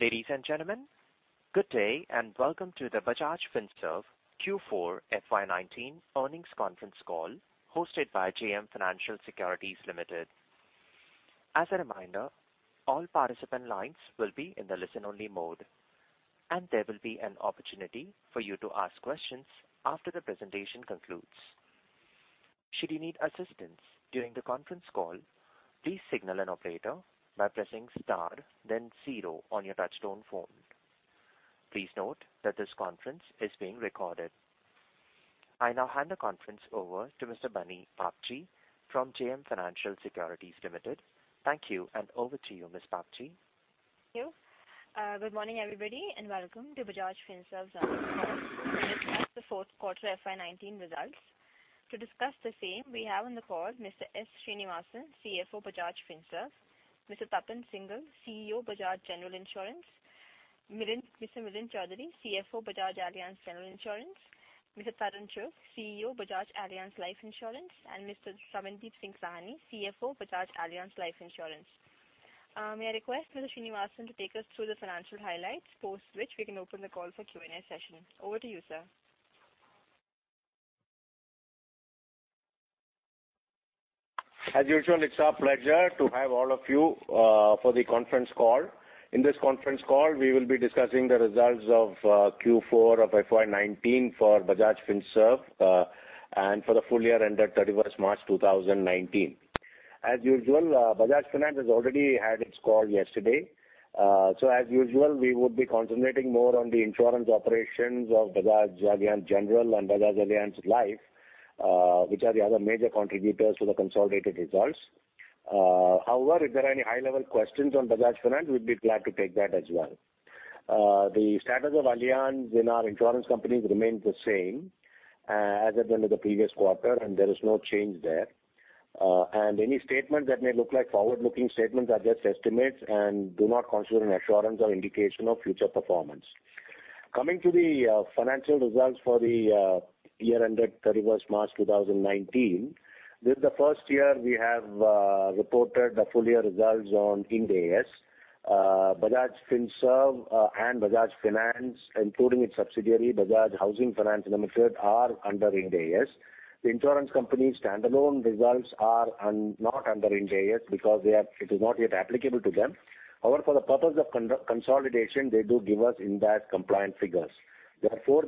Ladies and gentlemen, good day and welcome to the Bajaj Finserv Q4 FY 2019 earnings conference call hosted by JM Financial Securities Limited. As a reminder, all participant lines will be in the listen only mode, and there will be an opportunity for you to ask questions after the presentation concludes. Should you need assistance during the conference call, please signal an operator by pressing star then zero on your touchtone phone. Please note that this conference is being recorded. I now hand the conference over to Mr. Bunty Shah from JM Financial Securities Limited. Thank you, and over to you, Ms. Shah. Thank you. Good morning, everybody, and welcome to Bajaj Finserv's earnings call to discuss the fourth quarter FY 2019 results. To discuss the same, we have on the call Mr. S. Sreenivasan, CFO, Bajaj Finserv, Mr. Tapan Singhel, CEO, Bajaj Allianz General Insurance, Mr. Milind Chaudhary, CFO, Bajaj Allianz General Insurance, Mr. Tarun Chugh, CEO, Bajaj Allianz Life Insurance, and Mr. Ramandeep Singh Sahni, CFO, Bajaj Allianz Life Insurance. May I request Mr. Sreenivasan to take us through the financial highlights, post which we can open the call for Q&A session. Over to you, sir. As usual, it's our pleasure to have all of you for the conference call. In this conference call, we will be discussing the results of Q4 of FY 2019 for Bajaj Finserv, and for the full year ended 31st March 2019. As usual, Bajaj Finance has already had its call yesterday. As usual, we would be concentrating more on the insurance operations of Bajaj Allianz General Insurance and Bajaj Allianz Life Insurance, which are the other major contributors to the consolidated results. However, if there are any high-level questions on Bajaj Finance, we'd be glad to take that as well. The status of Allianz in our insurance companies remains the same as at the end of the previous quarter, and there is no change there. Any statement that may look like forward-looking statements are just estimates and do not constitute an assurance or indication of future performance. Coming to the financial results for the year ended 31st March 2019. This is the first year we have reported the full year results on Ind AS. Bajaj Finserv and Bajaj Finance, including its subsidiary, Bajaj Housing Finance Limited, are under Ind AS. The insurance company's standalone results are not under Ind AS because it is not yet applicable to them. However, for the purpose of consolidation, they do give us Ind AS compliant figures. Therefore,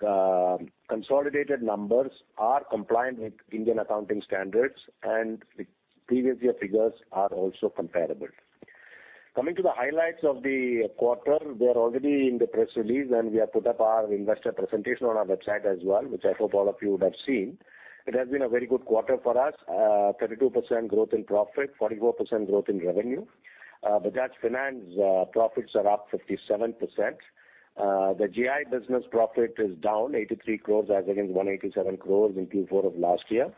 the consolidated numbers are compliant with Indian accounting standards, and the previous year figures are also comparable. Coming to the highlights of the quarter, they are already in the press release, and we have put up our investor presentation on our website as well, which I hope all of you would have seen. It has been a very good quarter for us. 32% growth in profit, 44% growth in revenue. Bajaj Finance profits are up 57%. The GI business profit is down 83 crores as against 187 crores in Q4 of last year.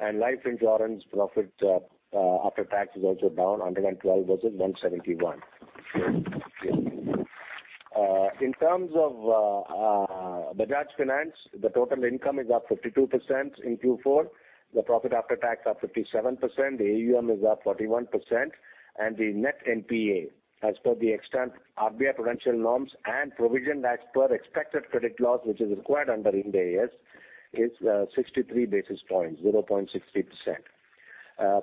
Life insurance profit after tax is also down 112 versus 171. In terms of Bajaj Finance, the total income is up 52% in Q4. The profit after tax up 57%, the AUM is up 41%, and the net NPA, as per the extant RBI prudential norms and provision as per Expected Credit Loss, which is required under Ind AS, is 63 basis points, 0.63%.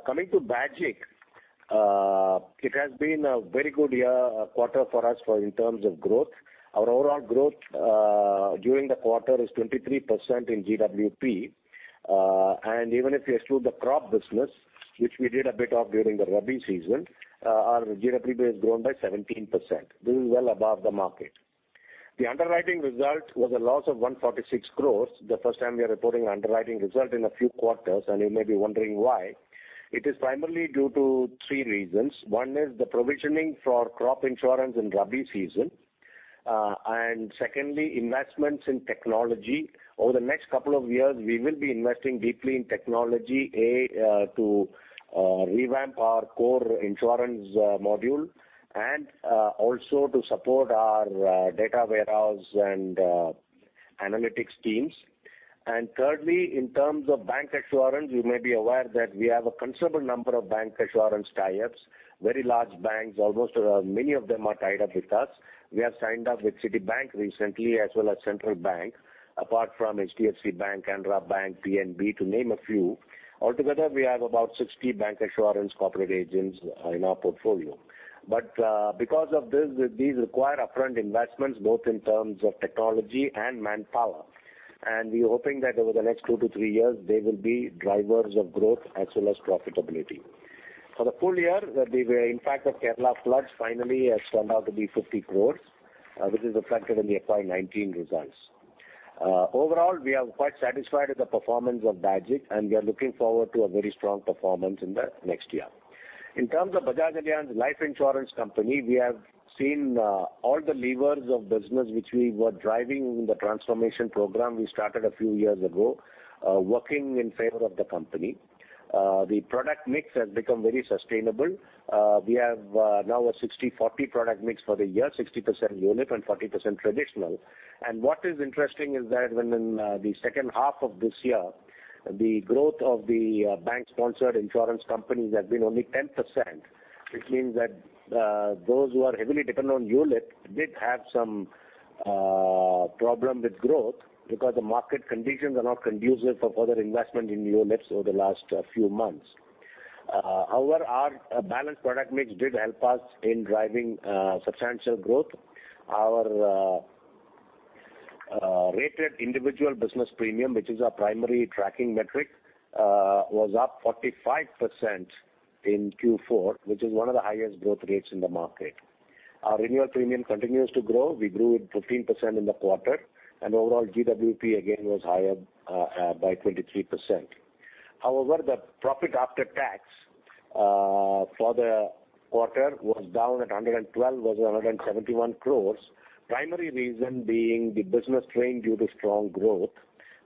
Coming to BAGIC, it has been a very good quarter for us in terms of growth. Our overall growth during the quarter is 23% in GWP. Even if you exclude the crop business, which we did a bit of during the rabi season, our GWP has grown by 17%, doing well above the market. The underwriting result was a loss of 146 crores, the first time we are reporting underwriting result in a few quarters, and you may be wondering why. It is primarily due to three reasons. One is the provisioning for crop insurance in rabi season. Secondly, investments in technology. Over the next couple of years, we will be investing deeply in technology, A, to revamp our core insurance module and also to support our data warehouse and analytics teams. Thirdly, in terms of bancassurance, you may be aware that we have a considerable number of bancassurance tie-ups. Very large banks, many of them are tied up with us. We have signed up with Citibank recently as well as Central Bank, apart from HDFC Bank, Canara Bank, PNB, to name a few. Altogether, we have about 60 bank assurance corporate agents in our portfolio. But because of this, these require upfront investments, both in terms of technology and manpower. We're hoping that over the next 2-3 years, they will be drivers of growth as well as profitability. For the full year, the impact of Kerala floods finally has turned out to be 50 crores, which is reflected in the FY 2019 results. Overall, we are quite satisfied with the performance of BAGIC, and we are looking forward to a very strong performance in the next year. In terms of Bajaj Allianz Life Insurance Company, we have seen all the levers of business which we were driving in the transformation program we started a few years ago, working in favor of the company. The product mix has become very sustainable. We have now a 60/40 product mix for the year, 60% unit and 40% traditional. What is interesting is that when in the second half of this year, the growth of the bank-sponsored insurance companies had been only 10%. It means that those who are heavily dependent on ULIP did have some problem with growth because the market conditions are not conducive for further investment in ULIPs over the last few months. However, our balanced product mix did help us in driving substantial growth. Our rated individual business premium, which is our primary tracking metric, was up 45% in Q4, which is one of the highest growth rates in the market. Our renewal premium continues to grow. We grew it 15% in the quarter, and overall GWP again was higher by 23%. The profit after tax for the quarter was down at 112 crore versus 171 crore. Primary reason being the business strain due to strong growth,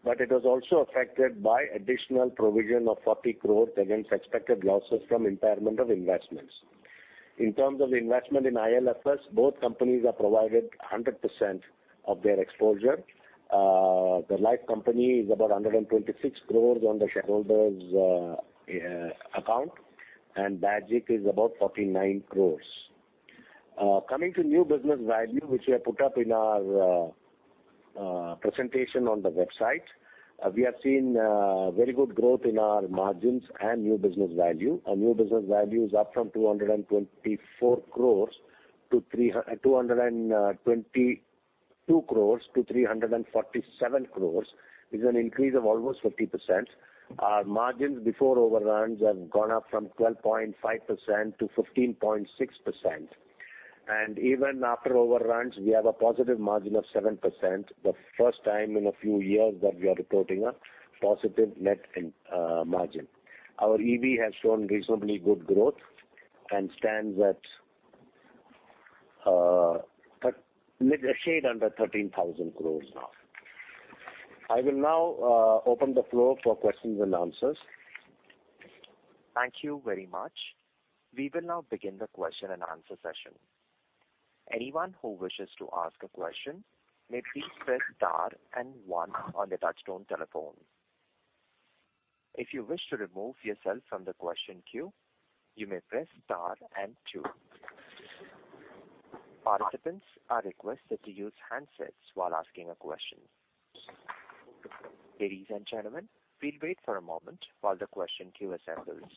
but it was also affected by additional provision of 40 crore against expected losses from impairment of investments. In terms of investment in IL&FS, both companies are provided 100% of their exposure. The life company is about 126 crore on the shareholders account, and Bajaj is about 49 crore. Coming to new business value, which we have put up in our presentation on the website. We have seen very good growth in our margins and new business value. Our new business value is up from 222 crore to 347 crore, is an increase of almost 50%. Our margins before overruns have gone up from 12.5% to 15.6%. Even after overruns, we have a positive margin of 7%, the first time in a few years that we are reporting a positive net margin. Our EV has shown reasonably good growth and stands at a shade under 13,000 crore now. I will now open the floor for questions and answers. Thank you very much. We will now begin the question and answer session. Anyone who wishes to ask a question, may please press star 1 on the touchtone telephone. If you wish to remove yourself from the question queue, you may press star 2. Participants are requested to use handsets while asking a question. Ladies and gentlemen, we will wait for a moment while the question queue assembles.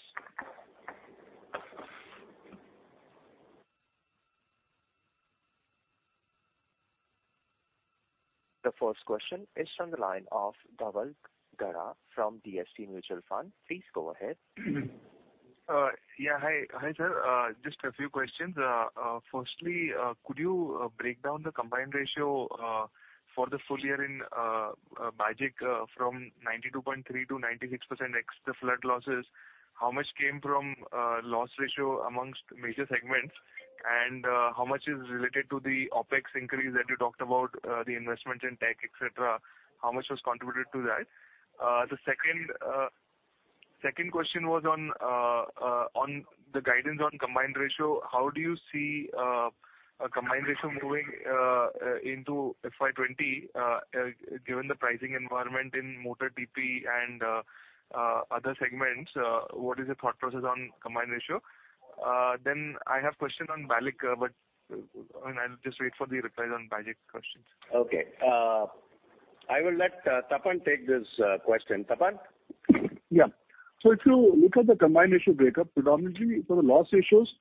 The first question is on the line of Dhaval Gada from DSP Mutual Fund. Please go ahead. Yeah. Hi, sir. Just a few questions. Firstly, could you break down the combined ratio for the full year in Bajaj from 92.3% to 96% ex the flood losses, how much came from loss ratio amongst major segments? How much is related to the OpEx increase that you talked about, the investment in tech, et cetera, how much was contributed to that? The second question was on the guidance on combined ratio. How do you see a combined ratio moving into FY 2020, given the pricing environment in motor TP and other segments, what is your thought process on combined ratio? I have question on BALIC, but I will just wait for the replies on Bajaj questions. Okay. I will let Tapan take this question. Tapan? Yeah. If you look at the combined ratio breakup, predominantly for the loss ratios,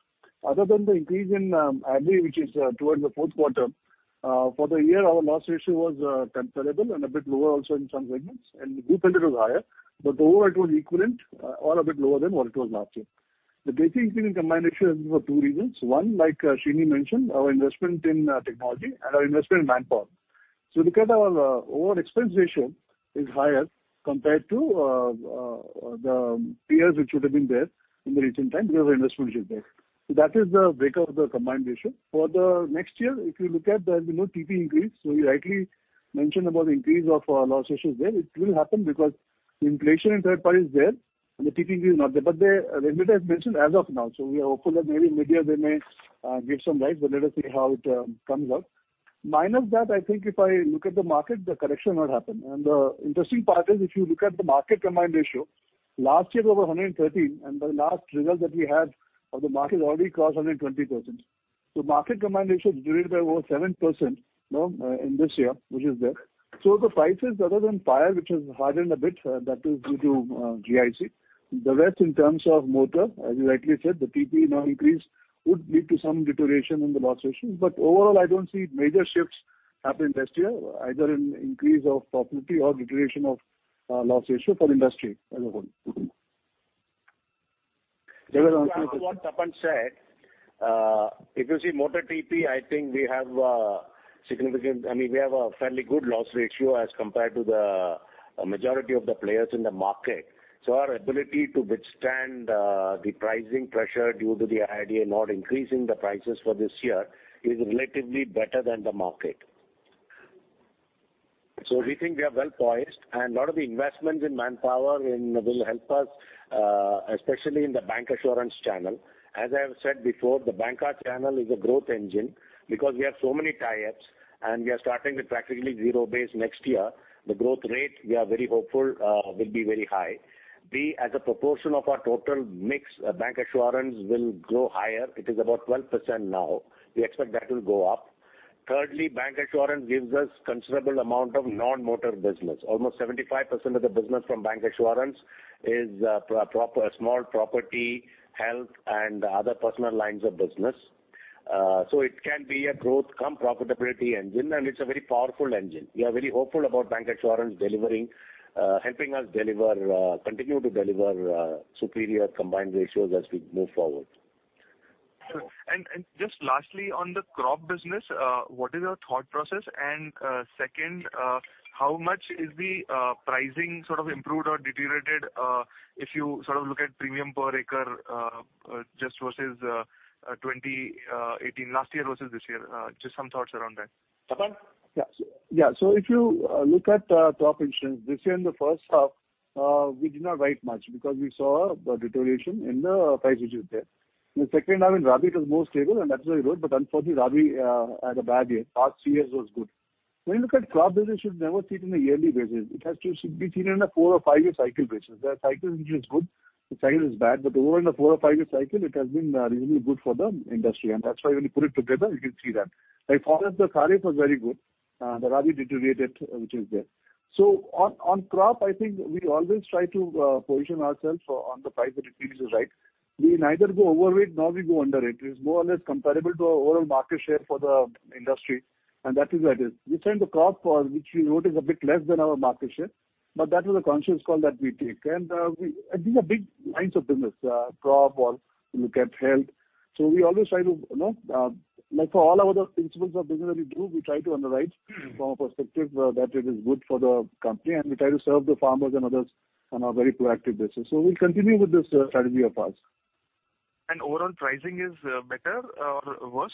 other than the increase in ADI which is towards the fourth quarter, for the year our loss ratio was comparable and a bit lower also in some segments, and group limit was higher. Overall it was equivalent or a bit lower than what it was last year. The basic increase in combined ratio is for two reasons. One, like Srini mentioned, our investment in technology and our investment in manpower. Look at our overall expense ratio is higher compared to the peers which should have been there in the recent times because our investment is there. That is the breakup of the combined ratio. For the next year, if you look at there has been no TP increase. You rightly mentioned about the increase of loss ratios there. It will happen because the inflation in third party is there and the TP is not there. The regulator has mentioned as of now. We are hopeful that maybe mid-year they may give some rise, but let us see how it comes out. Minus that, I think if I look at the market, the correction will not happen. The interesting part is if you look at the market combined ratio, last year it was 113, and the last result that we had of the market already crossed 120%. Market combined ratio is doing over 7% now in this year, which is there. The prices other than fire which has hardened a bit, that is due to GIC. The rest in terms of motor, as you rightly said, the TP now increase would lead to some deterioration in the loss ratio. Overall, I don't see major shifts happen next year either in increase of profitability or deterioration of loss ratio for the industry as a whole. To add to what Tapan said, if you see motor TP, I think we have a fairly good loss ratio as compared to the majority of the players in the market. Our ability to withstand the pricing pressure due to the IRDA not increasing the prices for this year is relatively better than the market. We think we are well poised, and lot of the investments in manpower will help us, especially in the bancassurance channel. As I have said before, the bancassurance channel is a growth engine because we have so many tie-ups and we are starting with practically zero base next year. The growth rate, we are very hopeful will be very high. As a proportion of our total mix, bancassurance will grow higher. It is about 12% now. We expect that will go up. Thirdly, bancassurance gives us considerable amount of non-motor business. Almost 75% of the business from bancassurance is small property, health and other personal lines of business. It can be a growth cum profitability engine, and it's a very powerful engine. We are very hopeful about bancassurance helping us continue to deliver superior combined ratios as we move forward. Sure. Just lastly, on the crop business, what is your thought process? Second, how much is the pricing improved or deteriorated if you look at premium per acre just versus 2018, last year versus this year. Just some thoughts around that. Raman? If you look at crop insurance, this year in the first half, we did not write much because we saw a deterioration in the price which was there. In the second half in rabi it was more stable, and that's why we wrote, but unfortunately, rabi had a bad year. Past three years was good. When you look at crop business, you should never see it in a yearly basis. It has to be seen in a four or five-year cycle basis. There are cycles which is good, the cycle is bad, but over in the four or five-year cycle, it has been reasonably good for the industry. That's why when you put it together, you can see that. Like fallout the kharif was very good, the rabi deteriorated, which is there. On crop, I think we always try to position ourselves on the price that it reaches, right? We neither go overweight nor we go under it. It is more or less comparable to our overall market share for the industry, and that is where it is. This time the crop for which we wrote is a bit less than our market share, but that was a conscious call that we take. These are big lines of business, crop or look at health. We always try to like for all our other principles of business that we do, we try to underwrite from a perspective that it is good for the company, and we try to serve the farmers and others on a very proactive basis. We will continue with this strategy of ours. Overall pricing is better or worse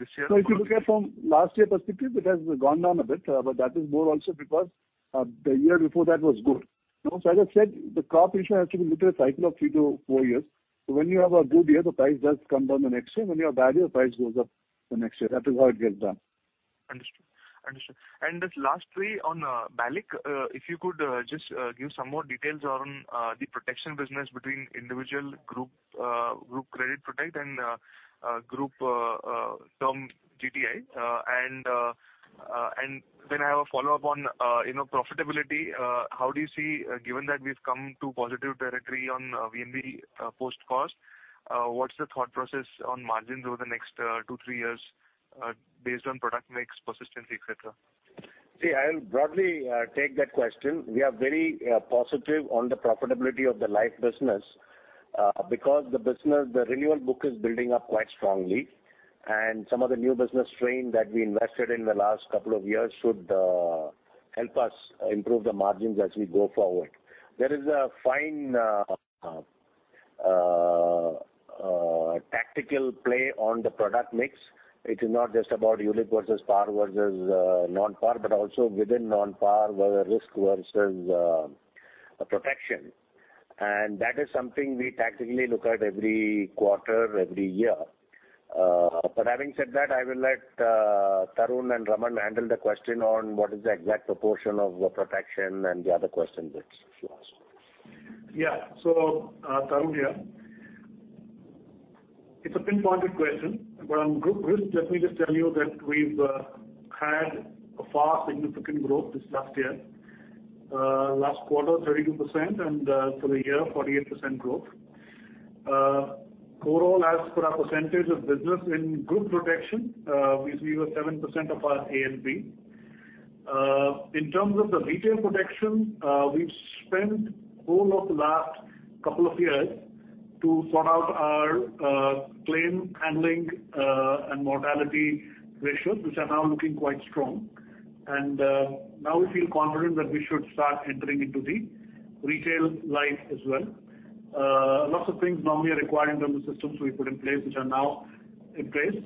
this year? If you look at from last year perspective, it has gone down a bit. That is more also because the year before that was good. As I said, the crop insurance has to be looked at a cycle of three to four years. When you have a good year, the price does come down the next year. When you have a bad year, price goes up the next year. That is how it gets done. Understood. Just lastly on BALIC, if you could just give some more details on the protection business between individual group credit protect and group term GTL. I have a follow-up on profitability. How do you see, given that we have come to positive territory on VMB post-cost, what is the thought process on margins over the next two, three years, based on product mix, persistency, et cetera? I'll broadly take that question. We are very positive on the profitability of the life business because the renewal book is building up quite strongly, and some of the new business strain that we invested in the last couple of years should help us improve the margins as we go forward. There is a fine tactical play on the product mix. It is not just about ULIP versus par versus non-par, but also within non-par, whether risk versus protection. That is something we tactically look at every quarter, every year. Having said that, I will let Tarun and Raman handle the question on what is the exact proportion of the protection and the other questions that you asked. Yeah. Tarun here. It's a pinpointed question, on group risk, let me just tell you that we've had a far significant growth this last year. Last quarter, 32%, for the year, 48% growth. Overall, as per our percentage of business in group protection, we were 7% of our A and B. In terms of the retail protection, we've spent whole of the last couple of years to sort out our claim handling and mortality ratios, which are now looking quite strong. Now we feel confident that we should start entering into the retail life as well. Lots of things normally are required in terms of systems we put in place, which are now in place.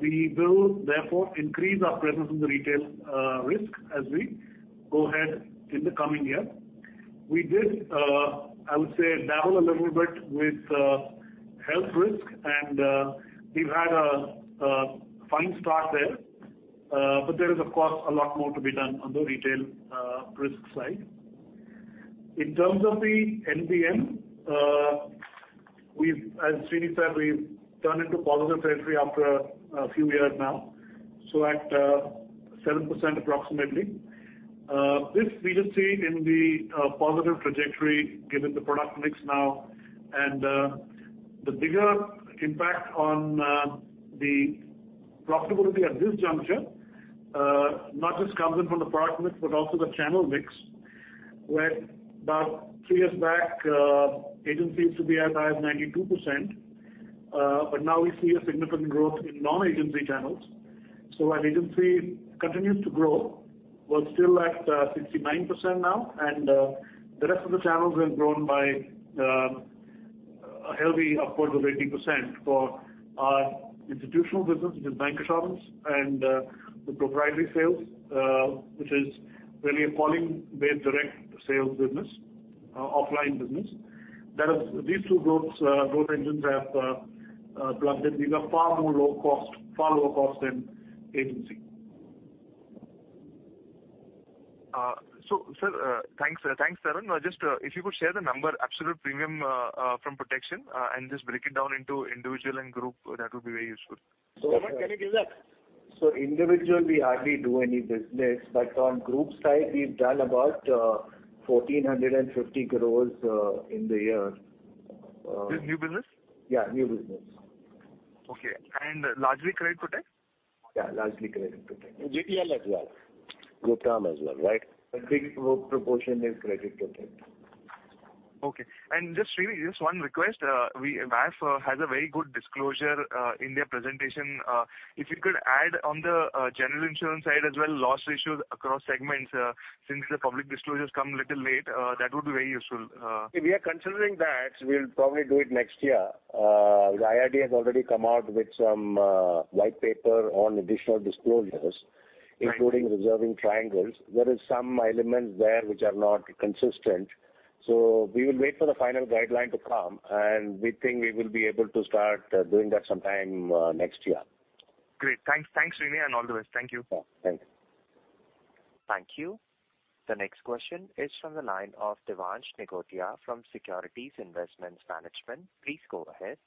We will therefore increase our presence in the retail risk as we go ahead in the coming year. We did, I would say, dabble a little bit with health risk and we've had a fine start there. There is, of course, a lot more to be done on the retail risk side. In terms of the NBM, as Srini said, we've turned into positive territory after a few years now. At 7% approximately. This we just see in the positive trajectory given the product mix now and the bigger impact on the profitability at this juncture not just comes in from the product mix, also the channel mix, where about three years back agency used to be as high as 92%, now we see a significant growth in non-agency channels. Our agency continues to grow. We're still at 69% now, the rest of the channels have grown by a healthy upwards of 80% for our institutional business, which is bancassurance and the proprietary sales, which is really a calling-based direct sales business, offline business. These two growth engines have plugged in. These are far lower cost than agency. Sir, thanks. Just if you could share the number absolute premium from protection and just break it down into individual and group, that would be very useful. Suman, can you do that? Individual, we hardly do any business, on group side, we've done about 1,450 crores in the year. This is new business? Yeah. New business. Okay, largely credit protected? Yeah, largely credit protected. GTL as well. GTL as well, right? A big proportion is credit protected. Just really, just one request. MAF has a very good disclosure in their presentation. If you could add on the general insurance side as well, loss ratios across segments, since the public disclosures come little late, that would be very useful. We are considering that. We'll probably do it next year. The IRDAI has already come out with some white paper on additional disclosures including reserving triangles. There is some elements there which are not consistent. We will wait for the final guideline to come, and we think we will be able to start doing that sometime next year. Great. Thanks, Sreenivasan. All the best. Thank you. Yeah. Thank you. Thank you. The next question is from the line of Devansh Negotia from Securities Investments Management. Please go ahead.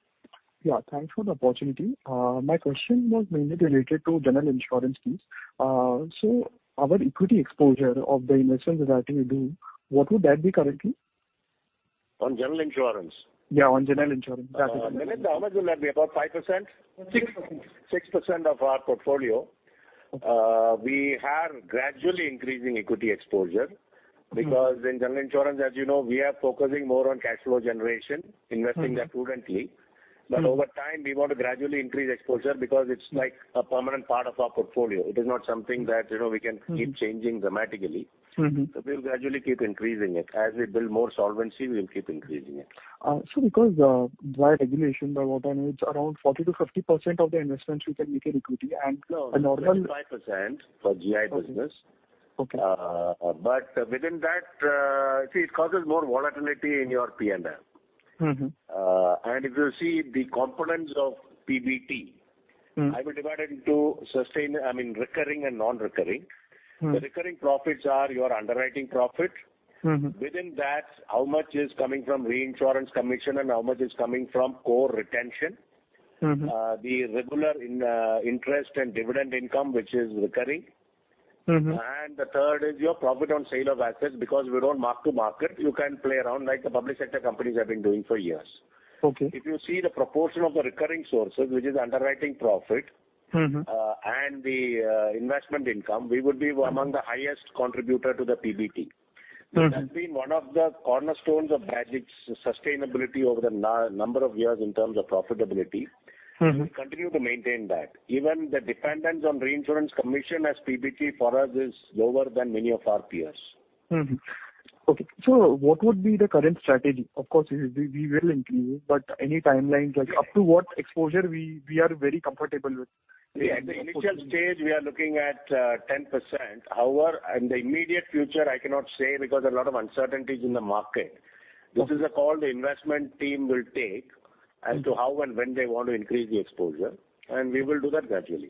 Yeah, thanks for the opportunity. My question was mainly related to general insurance fees. Our equity exposure of the investment that we do, what would that be currently? On general insurance? Yeah, on general insurance. That would be- Milind, how much will that be? About 5%? 6%. 6% of our portfolio. We are gradually increasing equity exposure because in general insurance, as you know, we are focusing more on cash flow generation, investing that prudently. Over time, we want to gradually increase exposure because it's like a permanent part of our portfolio. It is not something that we can keep changing dramatically. We'll gradually keep increasing it. As we build more solvency, we'll keep increasing it. Sir, via regulation, there are what, around 40%-50% of the investments you can make in equity and a normal- No, 25% for GI business. Okay. Within that, see, it causes more volatility in your P&L. If you see the components of PBT- I will divide it into recurring and non-recurring. The recurring profits are your underwriting profit. Within that, how much is coming from reinsurance commission and how much is coming from core retention. The regular interest and dividend income, which is recurring. The third is your profit on sale of assets. Because we don't mark to market, you can play around like the public sector companies have been doing for years. Okay. If you see the proportion of the recurring sources, which is underwriting profit- and the investment income, we would be among the highest contributor to the PBT. That's been one of the cornerstones of Bajaj's sustainability over the number of years in terms of profitability. We continue to maintain that. Even the dependence on reinsurance commission as PBT for us is lower than many of our peers. What would be the current strategy? Of course, we will increase, but any timeline, like up to what exposure we are very comfortable with? At the initial stage, we are looking at 10%. However, in the immediate future, I cannot say because there are a lot of uncertainties in the market. This is a call the investment team will take as to how and when they want to increase the exposure, and we will do that gradually.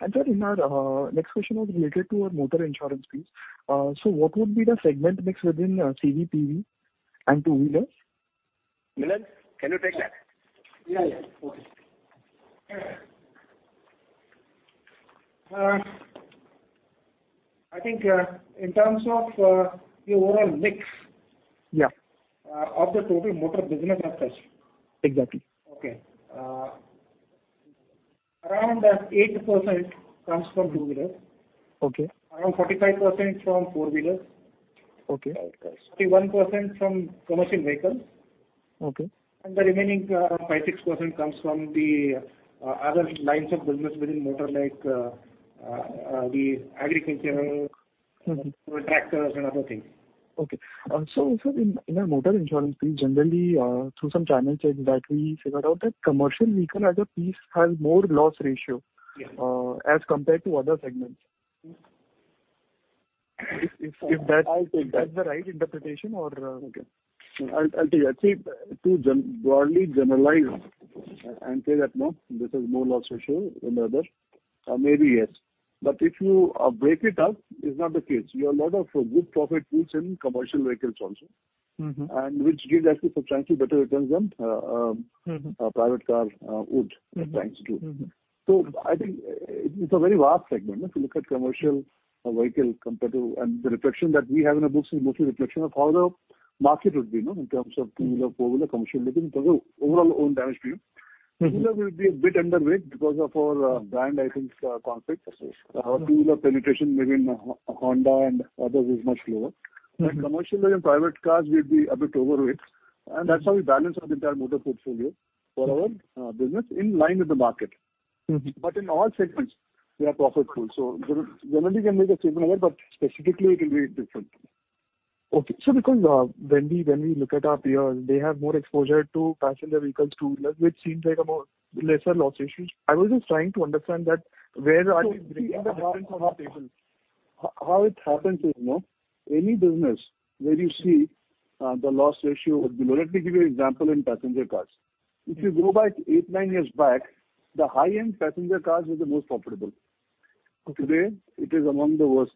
Sir, next question was related to our motor insurance piece. What would be the segment mix within CV, PV and two-wheelers? Milind, can you take that? Yeah. Okay. I think in terms of the overall mix. Yeah of the total motor business as such. Exactly. Okay. Around 8% comes from two-wheeler. Okay. Around 45% from four-wheelers. Okay. 31% from commercial vehicles. Okay. The remaining, around five, six% comes from the other lines of business within motor like the agricultural tractors and other things. Okay. In our motor insurance piece, generally through some channel check that we figured out that commercial vehicle as a piece has more loss ratio- Yeah as compared to other segments. If that I'll take that is the right interpretation or Okay. I'll take that. See, to broadly generalize and say that, no, this has more loss ratio than the other, maybe yes. If you break it up, it's not the case. You have a lot of good profit pools in commercial vehicles also. Which gives actually substantially better returns than a private car would, thanks to. I think it's a very vast segment. If you look at commercial vehicle, the reflection that we have in our books is mostly reflection of how the market would be, in terms of two-wheeler, four-wheeler, commercial vehicle in terms of overall own damage premium. Two-wheeler will be a bit underweight because of our brand license conflict. Two-wheeler penetration within Honda and others is much lower. Right. Commercial and private cars will be a bit overweight, and that's how we balance our entire motor portfolio for our business in line with the market. In all segments, we are profitable. Generally can make a statement here, but specifically it will be different. Okay. Because when we look at our peers, they have more exposure to passenger vehicles, two-wheelers, which seems like a more lesser loss ratios. I was just trying to understand that where are we bringing the difference on the table? How it happens is, any business where you see the loss ratio would be low. Let me give you example in passenger cars. If you go back eight, nine years back, the high-end passenger cars were the most profitable. Okay. Today it is among the worst.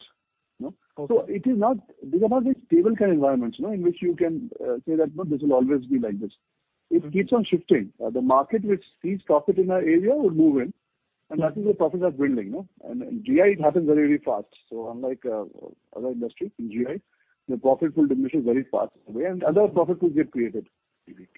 Okay. These are not very stable kind of environments, in which you can say that this will always be like this. It keeps on shifting. The market which sees profit in that area will move in, and that is where profits are dwindling. In GI, it happens very fast. Unlike other industry, in GI, the profit will diminish very fast and other profit pools get created.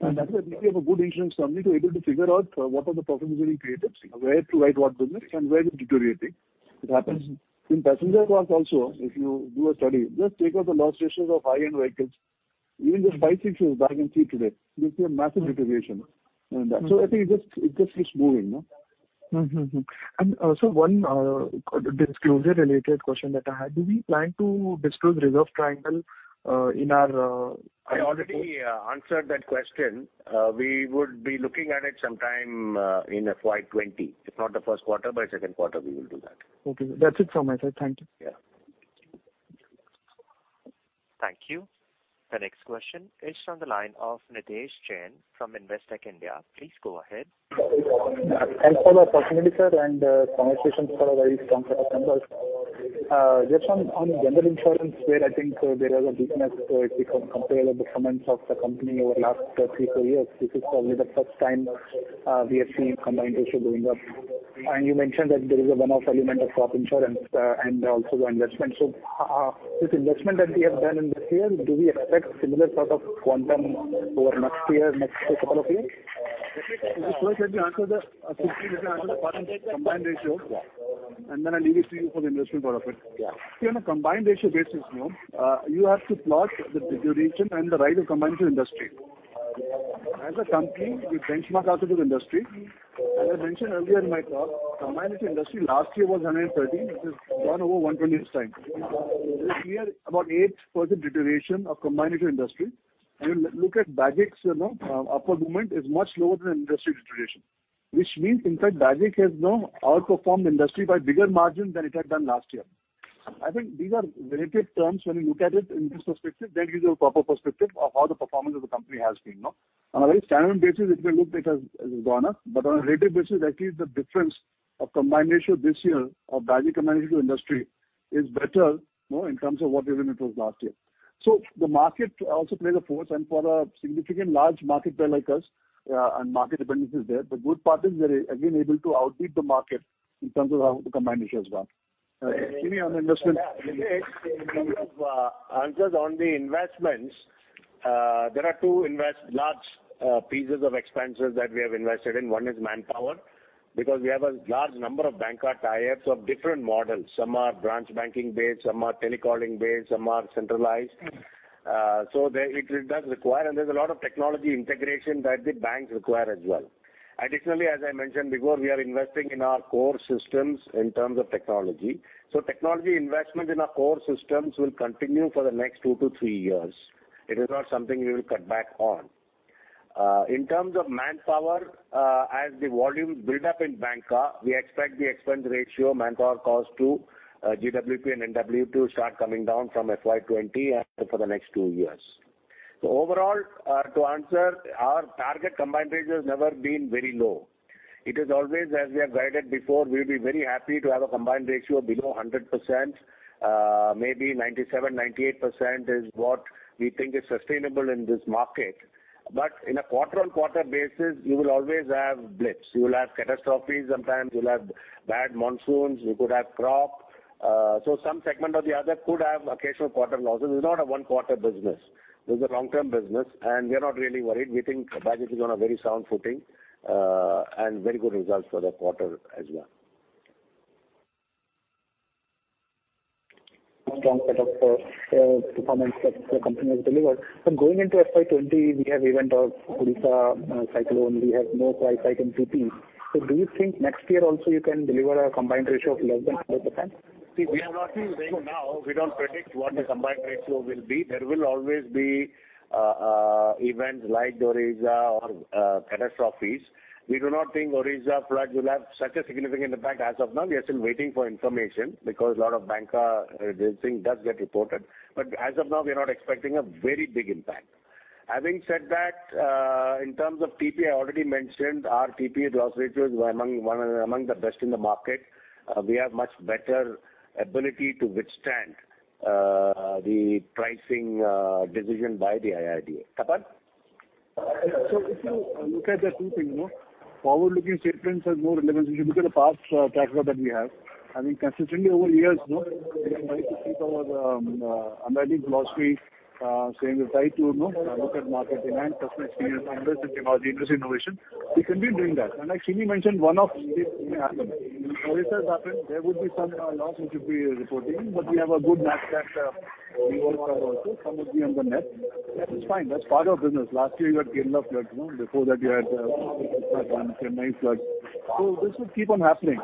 That is where we have a good insurance company to able to figure out what are the profit pools getting created, where to write what business and where is it deteriorating. It happens. In passenger cars also, if you do a study, just take out the loss ratios of high-end vehicles, even just five, six years back and see today. You will see a massive deterioration in that. I think it just keeps moving. Mm-hmm. Sir, one disclosure related question that I had. Do we plan to disclose reserving triangle in our- I already answered that question. We would be looking at it sometime in FY 2020. If not the first quarter, by second quarter, we will do that. Okay. That is it from my side. Thank you. Yeah. Thank you. The next question is on the line of Nidhesh Jain from Investec. Please go ahead. Thanks for the opportunity, sir. Conversations are always strong for the company. Just on general insurance, where I think there is a weakness if you compare the performance of the company over last three, four years. This is probably the first time we have seen combined ratio going up. You mentioned that there is a one-off element of crop insurance and also the investment. This investment that we have done in this year, do we expect similar sort of quantum over next year, next couple of years? First, let me answer the part on combined ratio. Yeah. I'll leave it to you for the investment part of it. Yeah. If you're on a combined ratio basis, you have to plot the duration and the rise of combined ratio industry. As a company, we benchmark ourselves with industry. As I mentioned earlier in my talk, combined ratio industry last year was 113, which is gone over 120 this time. This year, about 8% deterioration of combined ratio industry. Look at Bajaj's upward movement is much lower than industry deterioration, which means, in fact, Bajaj has now outperformed industry by bigger margin than it had done last year. I think these are relative terms. When you look at it in this perspective, that gives you a proper perspective of how the performance of the company has been. On a very standalone basis, if you look, it has gone up, but on a relative basis, actually the difference of combined ratio this year of Bajaj combined ratio industry is better, in terms of what the limit was last year. The market also plays a force and for a significant large market player like us, and market dependence is there. The good part is we're again able to outbeat the market in terms of how the combined ratio as well. Shimi, on investment. Nitesh, in terms of answers on the investments, there are two large pieces of expenses that we have invested in. One is manpower, because we have a large number of Bancassurance of different models. Some are branch banking based, some are telecalling based, some are centralized. It does require and there's a lot of technology integration that the banks require as well. Additionally, as I mentioned before, we are investing in our core systems in terms of technology. Technology investment in our core systems will continue for the next two to three years. It is not something we will cut back on. In terms of manpower, as the volumes build up in Bancassurance, we expect the expense ratio, manpower cost to GWP and NWP to start coming down from FY 2020 for the next two years. Overall, to answer, our target combined ratio has never been very low. It is always, as we have guided before, we'll be very happy to have a combined ratio below 100%. Maybe 97%, 98% is what we think is sustainable in this market. In a quarter-on-quarter basis, you will always have blips. You will have catastrophes sometimes, you'll have bad monsoons, you could have crop. Some segment or the other could have occasional quarter losses. This is not a one quarter business. This is a long-term business, and we're not really worried. We think Bajaj is on a very sound footing, and very good results for the quarter as well. Strong set of performance that the company has delivered. Going into FY 2020, we have event of Odisha cyclone, we have motor and TP. Do you think next year also you can deliver a combined ratio of less than 100%? We are not saying now, we don't predict what the combined ratio will be. There will always be events like the Odisha or catastrophes. We do not think Odisha cyclone will have such a significant impact as of now. We are still waiting for information because a lot of Bancassurance, this thing does get reported, but as of now, we're not expecting a very big impact. Having said that, in terms of TP, I already mentioned our TP loss ratios were among the best in the market. We have much better ability to withstand the pricing decision by the IRDAI. Tapan. If you look at the two things. Forward-looking statements has more relevance. If you look at the past track record that we have, I mean, consistently over years, we have tried to keep our underlying philosophy, saying we've tried to look at market demand, customer experience, invest in technology, invest in innovation. We continue doing that. Like Shimi mentioned, one-off state may happen. Odisha has happened. There would be some loss which we'll be reporting, but we have a good match that we will have also. Some would be on the net. That is fine. That's part of business. Last year you had Kerala floods. Before that you had Chennai floods. This will keep on happening.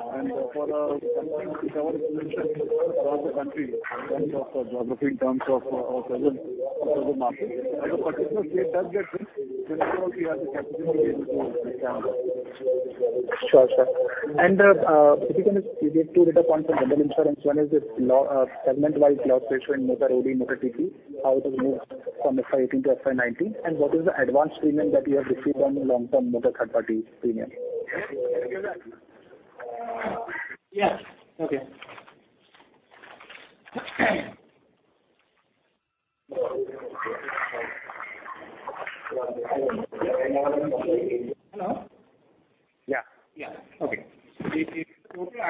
For a company which our distribution is spread across the country in terms of geography, in terms of presence across the market, if a particular state does get hit, definitely we have the capability to withstand that. Sure. If you can just give two data points on general insurance. One is the segment-wise loss ratio in motor OD, motor TP, how it has moved from FY 2018 to FY 2019 and what is the advanced premium that you have received on the long-term motor third party premium? Yes. Okay. Hello. Yeah. Yeah. Okay.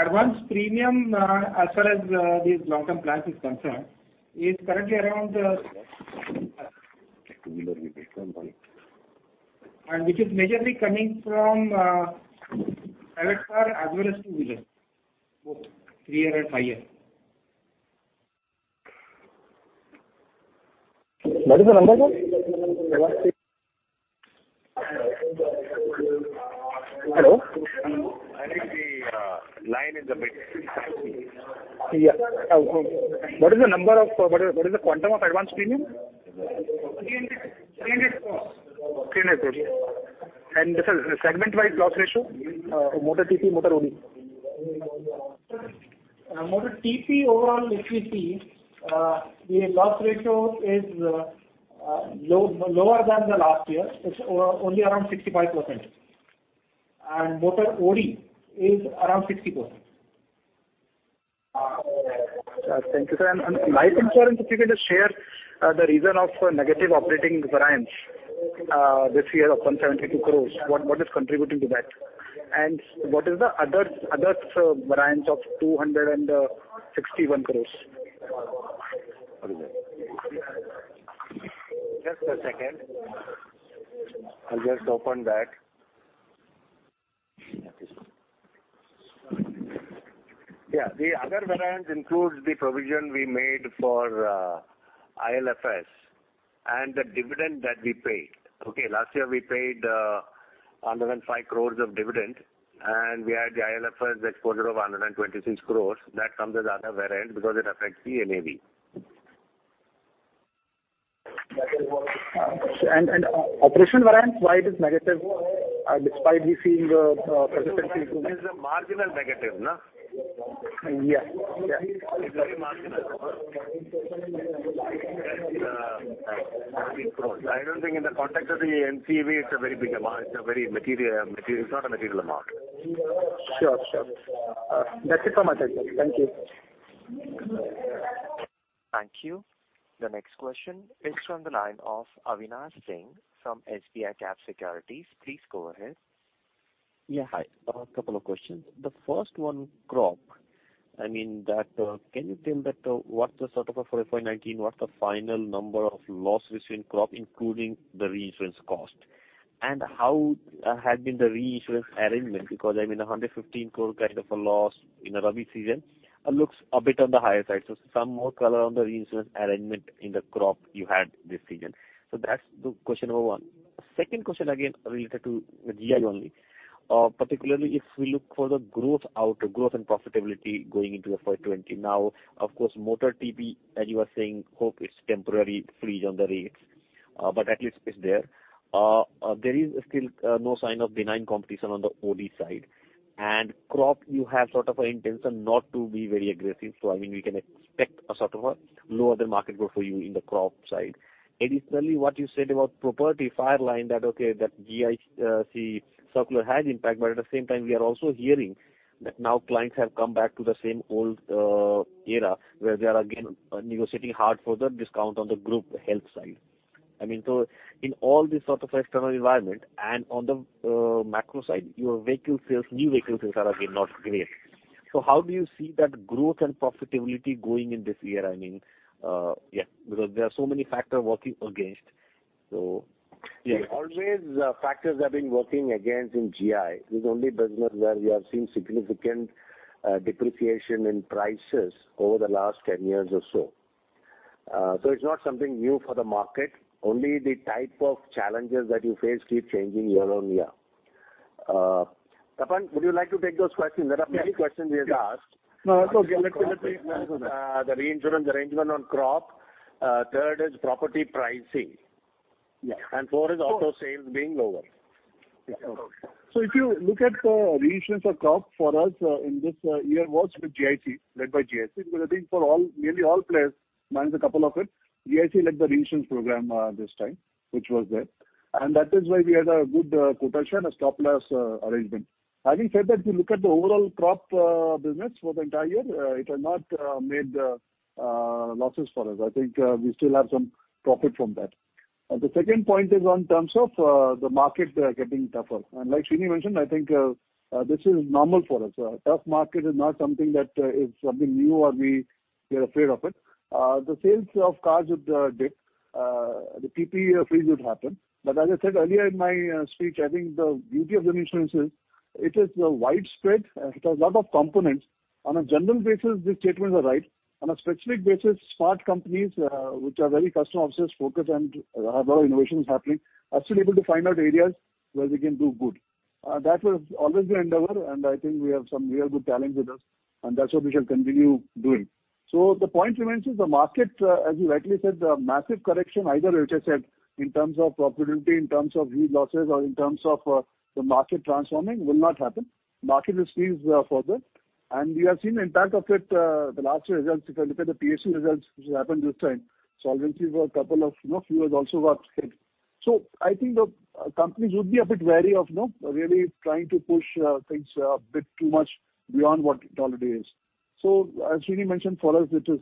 Advanced premium, as far as this long-term plan is concerned, is currently around and which is majorly coming from private car as well as two wheelers. Both three-wheeler and five-wheeler. What is the number, sir? Hello. I think the line is a bit patchy. Yeah. What is the quantum of advanced premium? 300 crores. 300 crores. Sir, segment-wide loss ratio, motor TP, motor OD. Sir, motor TP overall if we see, the loss ratio is lower than the last year. It's only around 65%, and motor OD is around 60%. Thank you, sir. Life insurance, if you can just share the reason of negative operating variance this year of 172 crores. What is contributing to that? What is the other variance of 261 crores. Just a second. I'll just open that. Yeah, the other variance includes the provision we made for IL&FS and the dividend that we paid. Okay. Last year, we paid 105 crores of dividend, and we had the IL&FS exposure of 126 crores. That comes as other variance because it affects the NAV. Operational variance, why it is negative despite we seeing a persistent improvement? It's marginal negative. Yeah. It's very marginal. I don't think in the context of the NBV it's a very big amount. It's not a material amount. Sure. That's it from my side, sir. Thank you. Thank you. The next question is from the line of Avinash Singh from SBICAP Securities. Please go ahead. Hi. A couple of questions. The first one, crop. Can you tell that what the sort of for FY 2019, what the final number of loss ratio in crop, including the reinsurance cost? How has been the reinsurance arrangement because, I mean, 115 crore kind of a loss in a Rabi season looks a bit on the higher side. Some more color on the reinsurance arrangement in the crop you had this season. That's the question number 1. Second question again related to GI only. Particularly if we look for the growth out, growth and profitability going into the FY 2020. Now, of course, motor TP, as you are saying, hope it's temporary freeze on the rates, but at least it's there. There is still no sign of benign competition on the OD side. Crop you have sort of an intention not to be very aggressive. I mean, we can expect a sort of a lower than market growth for you in the crop side. Additionally, what you said about property fire line that, okay, that GIC circular has impact, but at the same time, we are also hearing that now clients have come back to the same old era where they are again negotiating hard for the discount on the group health side. I mean, in all this sort of external environment. On the macro side, your vehicle sales, new vehicle sales are again not great. How do you see that growth and profitability going in this year? I mean, yeah, because there are so many factor working against. Yeah. Always factors have been working against in GI. This is only business where we have seen significant depreciation in prices over the last 10 years or so. It's not something new for the market. Only the type of challenges that you face keep changing year on year. Tapan, would you like to take those questions? There are many questions he has asked. No, that's okay. The reinsurance arrangement on crop. Third is property pricing. Yeah. Four is auto sales being lower. If you look at reinsurance of crop for us in this year was with GIC, led by GIC, because I think for nearly all players minus a couple of it, GIC led the reinsurance program this time, which was there. That is why we had a good quotation, a stop-loss arrangement. Having said that, if you look at the overall crop business for the entire year, it has not made losses for us. I think we still have some profit from that. The second point is on terms of the market getting tougher. Like Srini mentioned, I think this is normal for us. A tough market is not something that is something new or we are afraid of it. The sales of cars would dip, the TP freeze would happen. As I said earlier in my speech, I think the beauty of the insurance is it is widespread. It has lot of components. On a general basis, these statements are right. On a specific basis, smart companies, which are very customer obsessed, focused, and have a lot of innovations happening, are still able to find out areas where they can do good. That was always the endeavor, and I think we have some real good talents with us, and that's what we shall continue doing. The point remains is the market, as you rightly said, massive correction, either as I said in terms of profitability, in terms of huge losses or in terms of the market transforming will not happen. Market is tested further, and we have seen impact of it the last year results. If you look at the PAC results which happened this time, solvency for a couple of, you know, few has also got hit. I think the companies would be a bit wary of really trying to push things a bit too much beyond what it already is. As Srini mentioned, for us, it is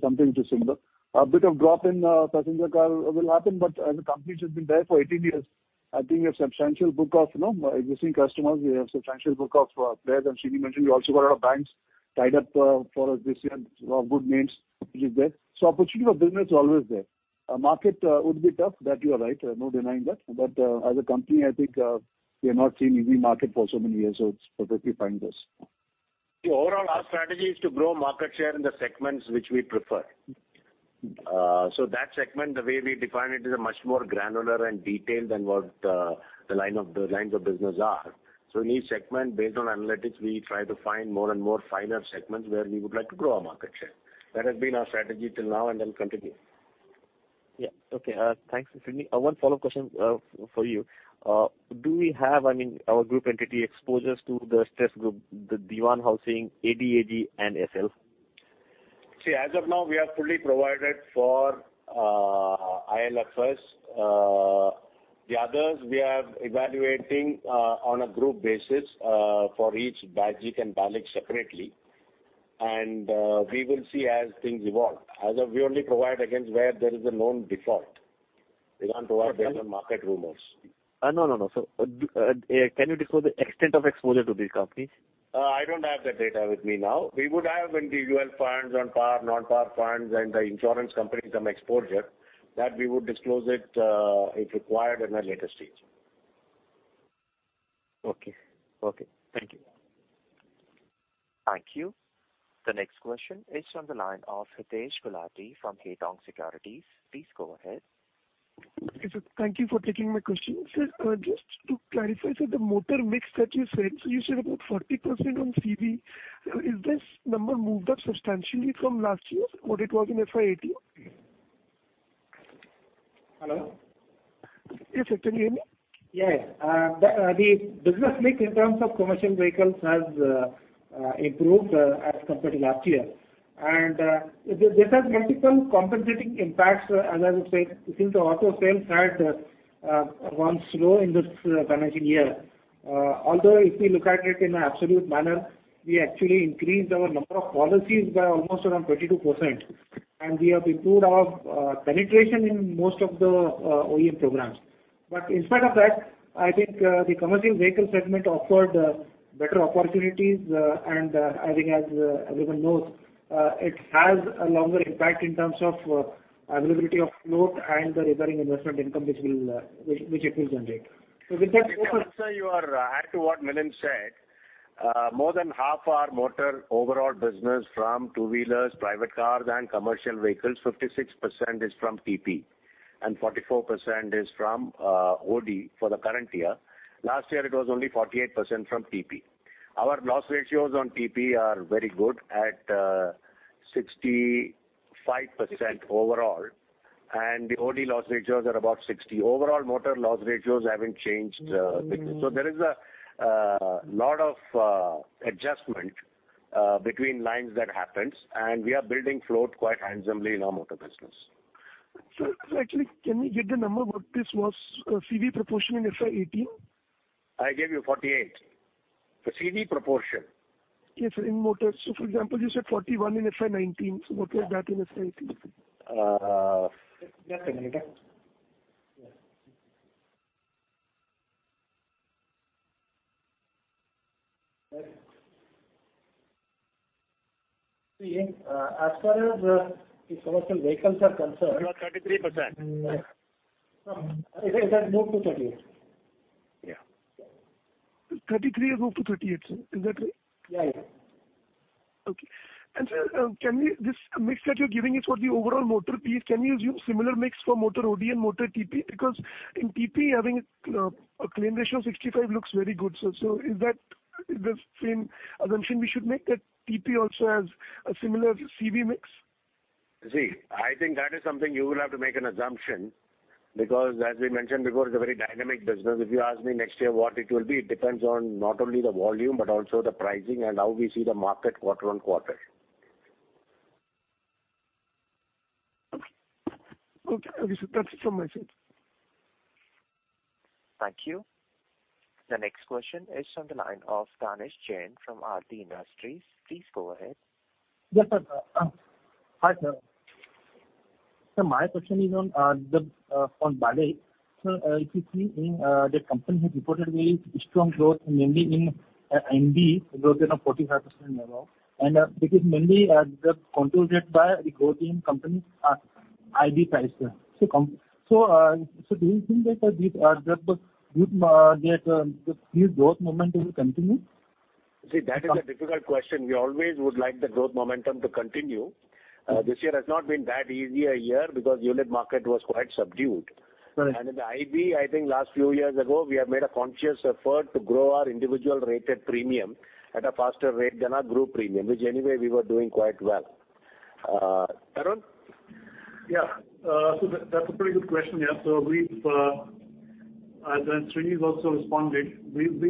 something similar. A bit of drop in passenger car will happen, but as a company which has been there for 18 years, I think we have substantial book of existing customers. We have substantial book of players, and Srini mentioned we also got a lot of banks tied up for us this year, lot of good names, which is there. Opportunity for business is always there. Market would be tough, that you are right, no denying that. As a company, I think we have not seen easy market for so many years, so it's perfectly fine with us. Overall, our strategy is to grow market share in the segments which we prefer. That segment, the way we define it, is a much more granular and detailed than what the lines of business are. In each segment, based on analytics, we try to find more and more finer segments where we would like to grow our market share. That has been our strategy till now and will continue. Yeah. Okay. Thanks, Srini. One follow-up question for you. Do we have our group entity exposures to the stress group, the Dewan Housing, ADAG, and Essel Group? As of now, we have fully provided for IL&FS. The others, we are evaluating on a group basis for each BAGIC and Bajaj separately. We will see as things evolve. We only provide against where there is a known default. We can't provide based on market rumors. No. Can you disclose the extent of exposure to these companies? I don't have that data with me now. We would have individual funds on par, non-par funds, and the insurance companies some exposure, that we would disclose it if required in a later stage. Okay. Thank you. Thank you. The next question is on the line of Hitesh Gulati from Haitong Securities. Please go ahead. Okay, sir. Thank you for taking my question. Sir, just to clarify, sir, the motor mix that you said, so you said about 40% on CV. Is this number moved up substantially from last year what it was in FY 2018? Hello? Yes, sir. Can you hear me? Yes. The business mix in terms of commercial vehicles has improved as compared to last year. This has multiple compensating impacts, as I would say, since the auto sales had gone slow in this financial year. If we look at it in an absolute manner, we actually increased our number of policies by almost around 22%, and we have improved our penetration in most of the OEM programs. In spite of that, I think the commercial vehicle segment offered better opportunities, and I think as everyone knows, it has a longer impact in terms of availability of float and the recurring investment income which it will generate. Also, sir, to add to what Milind said. More than half our motor overall business from two-wheelers, private cars and commercial vehicles, 56% is from TP and 44% is from OD for the current year. Last year it was only 48% from TP. Our loss ratios on TP are very good at 65% overall, and the OD loss ratios are about 60%. Overall motor loss ratios haven't changed. There is a lot of adjustment between lines that happens, and we are building float quite handsomely in our motor business. Sir, actually, can we get the number what this was, CV proportion in FY 2018? I gave you 48. The CV proportion? Yes, sir. In motors. For example, you said 41 in FY 2019, what was that in FY 2018? Just a minute. As far as the commercial vehicles are concerned. It was 33%. It has moved to 38. Yeah. 33 has moved to 38, sir. Is that right? Yes. Okay. Sir, this mix that you're giving is for the overall motor piece. Can we assume similar mix for motor OD and motor TP? Because in TP, having a claim ratio of 65 looks very good, sir. Is that the same assumption we should make that TP also has a similar CV mix? See, I think that is something you will have to make an assumption, because as we mentioned before, it's a very dynamic business. If you ask me next year what it will be, it depends on not only the volume but also the pricing and how we see the market quarter-on-quarter. Okay. Okay, sir. That's it from my side. Thank you. The next question is on the line of Tanish Jain from Adi Industries. Please go ahead. Yes, sir. Hi, sir. Sir, my question is on Bajaj. Sir, if you see in the company has reportedly strong growth mainly in IB growth rate of 45% and above, and this is mainly controlled by the growth in company IB side, sir. Do you think that, sir, this growth momentum will continue? That is a difficult question. We always would like the growth momentum to continue. This year has not been that easy a year because unit market was quite subdued. Right. In the IB, I think last few years ago, we have made a conscious effort to grow our individual rated premium at a faster rate than our group premium, which anyway we were doing quite well. Tarun? That's a pretty good question. We've As Sreenivasan also responded, we've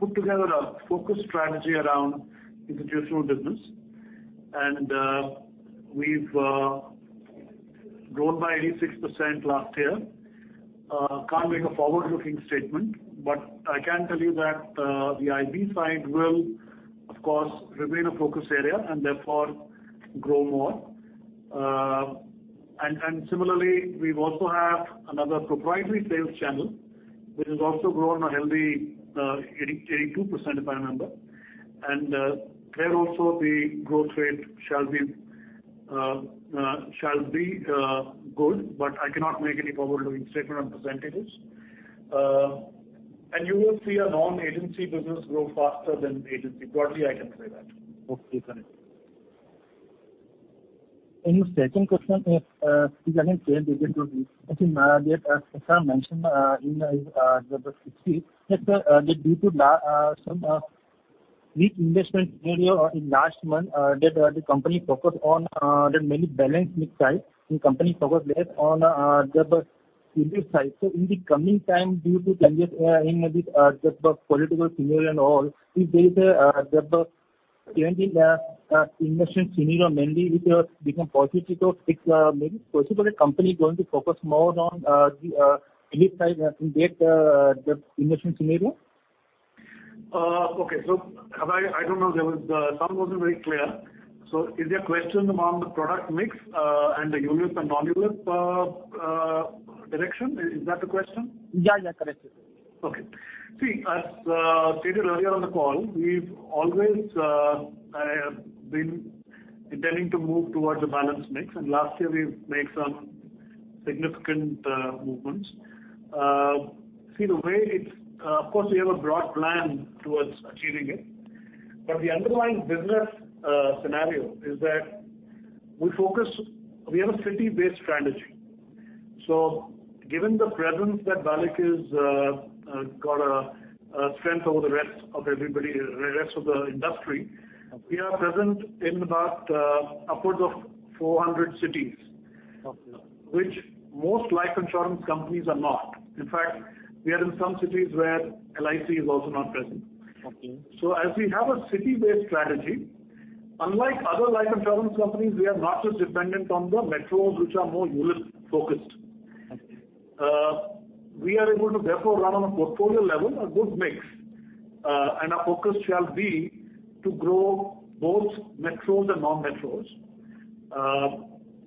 put together a focus strategy around institutional business, and we've grown by 86% last year. Can't make a forward-looking statement, but I can tell you that the IB side will, of course, remain a focus area and therefore grow more. Similarly, we also have another proprietary sales channel, which has also grown a healthy 82%, if I remember. There also, the growth rate shall be good, but I cannot make any forward-looking statement on percentages. You will see a non-agency business grow faster than agency. Broadly, I can say that. Okay, got it. The second question is mentioned in due to some weak investment scenario in last month, that the company focus on that many balanced mix side, and company focus less on the ULIP side. In the coming time, due to changes in the political scenario and all, if there is a change in investment scenario mainly which has become positive, maybe possibly company is going to focus more on the ULIP side in that investment scenario? Okay. I don't know. Sound wasn't very clear. Is your question among the product mix and the ULIP and non-ULIP direction? Is that the question? Yeah. Correct. Okay. See, as stated earlier on the call, we've always been intending to move towards a balanced mix, and last year we've made some significant movements. Of course, we have a broad plan towards achieving it. The underlying business scenario is that we have a city-based strategy. Given the presence that Bajaj has got a strength over the rest of the industry, we are present in about upwards of 400 cities. Okay. Which most life insurance companies are not. In fact, we are in some cities where LIC is also not present. Okay. As we have a city-based strategy, unlike other life insurance companies, we are not so dependent on the metros which are more ULIP-focused. Okay. We are able to therefore run on a portfolio level a good mix, and our focus shall be to grow both metros and non-metros.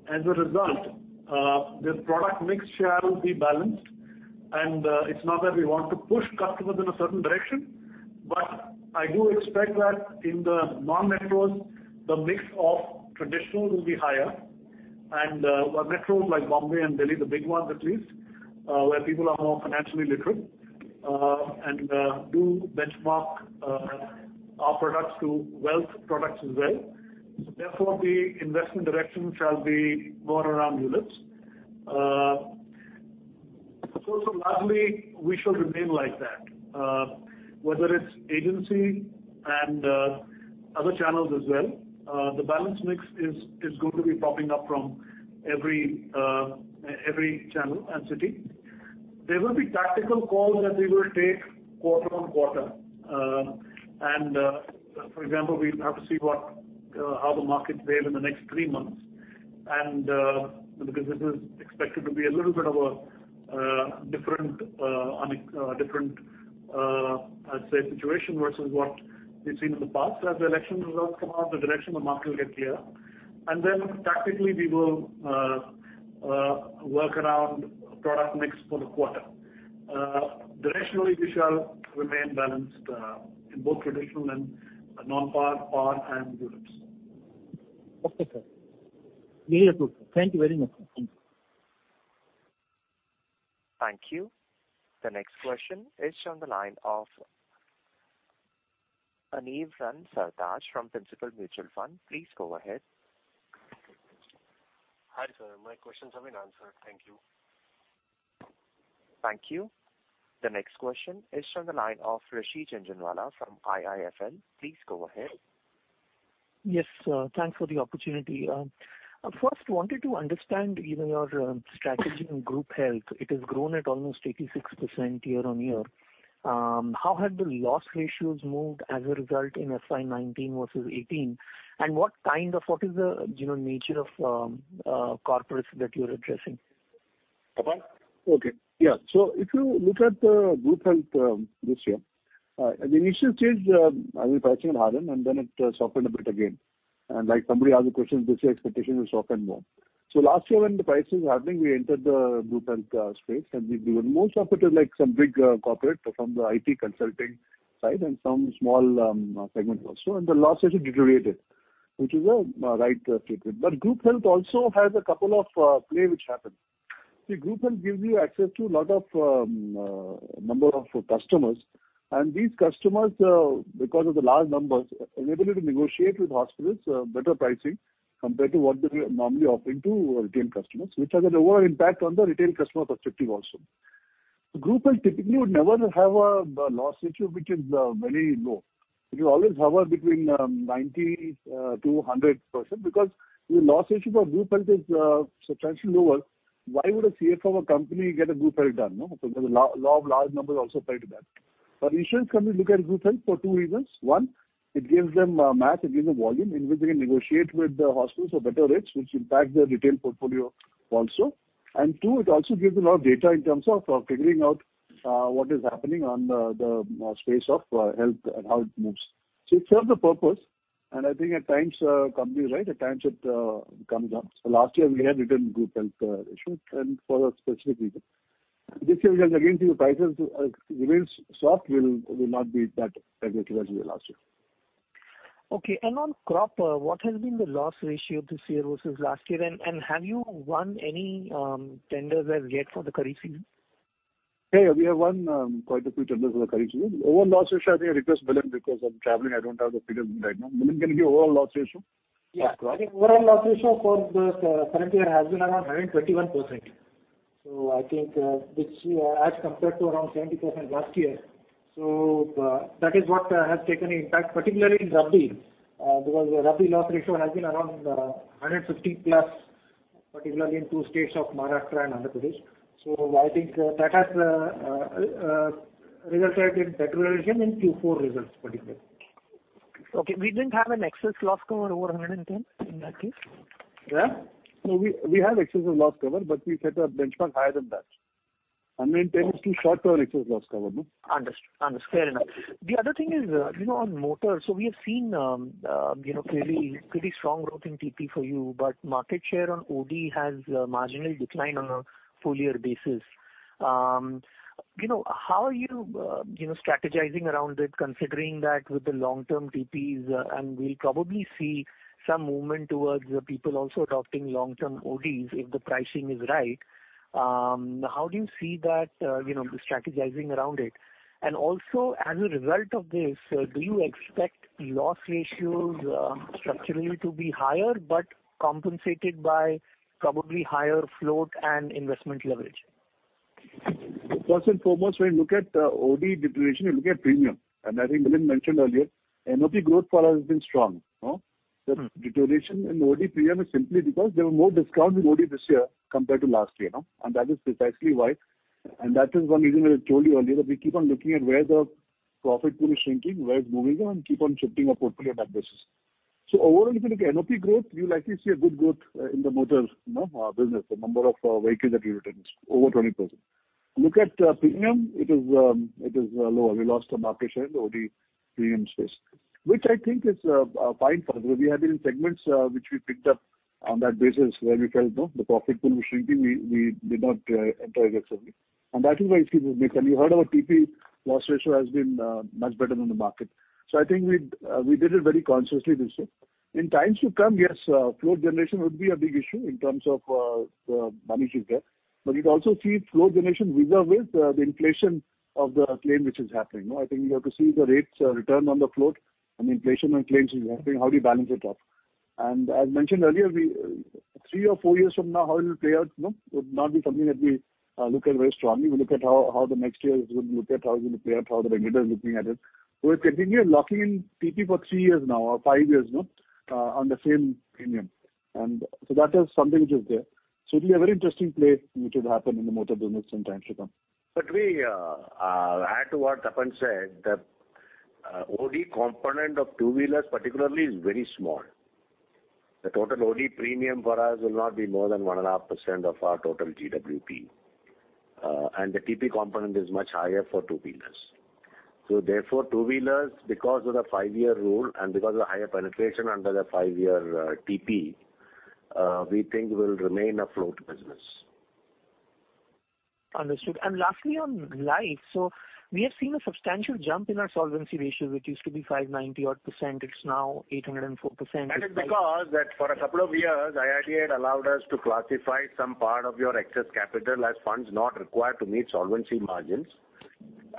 As a result, the product mix shall be balanced, and it's not that we want to push customers in a certain direction, but I do expect that in the non-metros the mix of traditional will be higher and metros like Bombay and Delhi, the big ones at least, where people are more financially literate and do benchmark our products to wealth products as well. Therefore the investment direction shall be more around ULIPs. Also lastly, we shall remain like that. Whether it's agency and other channels as well, the balance mix is going to be propping up from every channel and city. There will be tactical calls that we will take quarter-on-quarter. For example, we'll have to see how the markets fare in the next three months. Because this is expected to be a little bit of a different situation versus what we've seen in the past. As the election results come out, the direction the market will get clear. Then tactically we will work around product mix for the quarter. Directionally, we shall remain balanced in both traditional and non-Par, Par and ULIPs. Okay, sir. Thank you very much. Thank you. The next question is on the line of Aneeb Ran Sartaj from Principal Mutual Fund. Please go ahead. Hi, sir. My questions have been answered. Thank you. Thank you. The next question is on the line of Rasheed Janjanwala from IIFL. Please go ahead. Yes. Thanks for the opportunity. First, wanted to understand even your strategy in group health. It has grown at almost 86% year-over-year. How have the loss ratios moved as a result in FY 2019 versus 2018? What is the nature of corporates that you're addressing? Tapan? Okay. Yeah. If you look at the group health this year, at the initial stage, pricing was hard earned, and then it softened a bit again. Like somebody asked the question, this year expectation will soften more. Last year when the pricing was happening, we entered the group health space, and we've given most of it is like some big corporate from the IT consulting side and some small segment also, and the loss has deteriorated, which is a right statement. Group health also has a couple of play which happen. Group health gives you access to lot of number of customers, and these customers, because of the large numbers, enable you to negotiate with hospitals better pricing compared to what they're normally offering to retail customers, which has an overall impact on the retail customer perspective also. Group health typically would never have a loss ratio which is very low. You always hover between 90%-100%, because your loss ratio for group health is substantially lower. Why would a CFO of a company get a group health done? The law of large numbers also apply to that. Insurance company look at group health for 2 reasons. One, it gives them mass, it gives them volume in which they can negotiate with the hospitals for better rates, which impact their retail portfolio also. Two, it also gives a lot of data in terms of figuring out what is happening on the space of health and how it moves. It serves a purpose, and I think at times companies write, at times it comes up. Last year, we had written group health insurance and for a specific reason. This year, we again see the prices remains soft, will not be that aggressive as it was last year. Okay. On crop, what has been the loss ratio this year versus last year? Have you won any tenders as yet for the kharif season? Hey, we have won quite a few tenders for the kharif season. Overall loss ratio, I think I request Milind because I'm traveling, I don't have the figures right now. Milind, can you give overall loss ratio? Yeah. I think overall loss ratio for the current year has been around 121%. I think which as compared to around 70% last year. That is what has taken an impact, particularly in rabi. Rabi loss ratio has been around 150+, particularly in two states of Maharashtra and Andhra Pradesh. I think that has resulted in deterioration in Q4 results particularly. Okay. We didn't have an excess loss cover over 110 in that case. Yeah. No, we had excessive loss cover, but we set our benchmark higher than that. Maintained a short-term excess loss cover. Understood. Fair enough. The other thing is on motor. We have seen clearly pretty strong growth in TP for you, but market share on OD has marginally declined on a full year basis. How are you strategizing around it, considering that with the long-term TPs, and we'll probably see some movement towards people also adopting long-term ODs if the pricing is right. How do you see that, the strategizing around it? Also, as a result of this, do you expect loss ratios structurally to be higher but compensated by probably higher float and investment leverage? First and foremost, when you look at OD deterioration, you look at premium. I think Milind mentioned earlier, NOP growth for us has been strong. The deterioration in OD premium is simply because there were more discounts in OD this year compared to last year. That is precisely why. That is one reason I told you earlier, we keep on looking at where the profit pool is shrinking, where it's moving and keep on shifting our portfolio on that basis. Overall, if you look at NOP growth, you'll actually see a good growth in the motor business. The number of vehicles that we retained is over 20%. Look at premium, it is lower. We lost our market share in the OD premium space. Which I think is fine for us. We have been in segments which we picked up on that basis where we felt the profit pool was shrinking, we did not enter aggressively. That is why it keeps moving. You heard our TP loss ratio has been much better than the market. I think we did it very consciously this year. In times to come, yes, float generation would be a big issue in terms of the money you get. You'd also see float generation wither with the inflation of the claim which is happening. I think you have to see the rates return on the float and inflation on claims is happening. How do you balance it off? As mentioned earlier, three or four years from now, how it will play out would not be something that we look at very strongly. We look at how the next year is going to look at, how it's going to play out, how the regulator is looking at it. We've continued locking in TP for three years now or five years now on the same premium. That is something which is there. It'll be a very interesting play which would happen in the motor business in times to come. Add to what Tapan said, the OD component of two-wheelers particularly is very small. The total OD premium for us will not be more than 1.5% of our total GWP. The TP component is much higher for two-wheelers. Therefore, two-wheelers, because of the five-year rule and because of the higher penetration under the five-year TP, we think will remain a float business. Understood. Lastly on life, we have seen a substantial jump in our solvency ratio, which used to be 590% odd. It's now 804%. It's because that for a couple of years, IRDA had allowed us to classify some part of your excess capital as funds not required to meet solvency margins.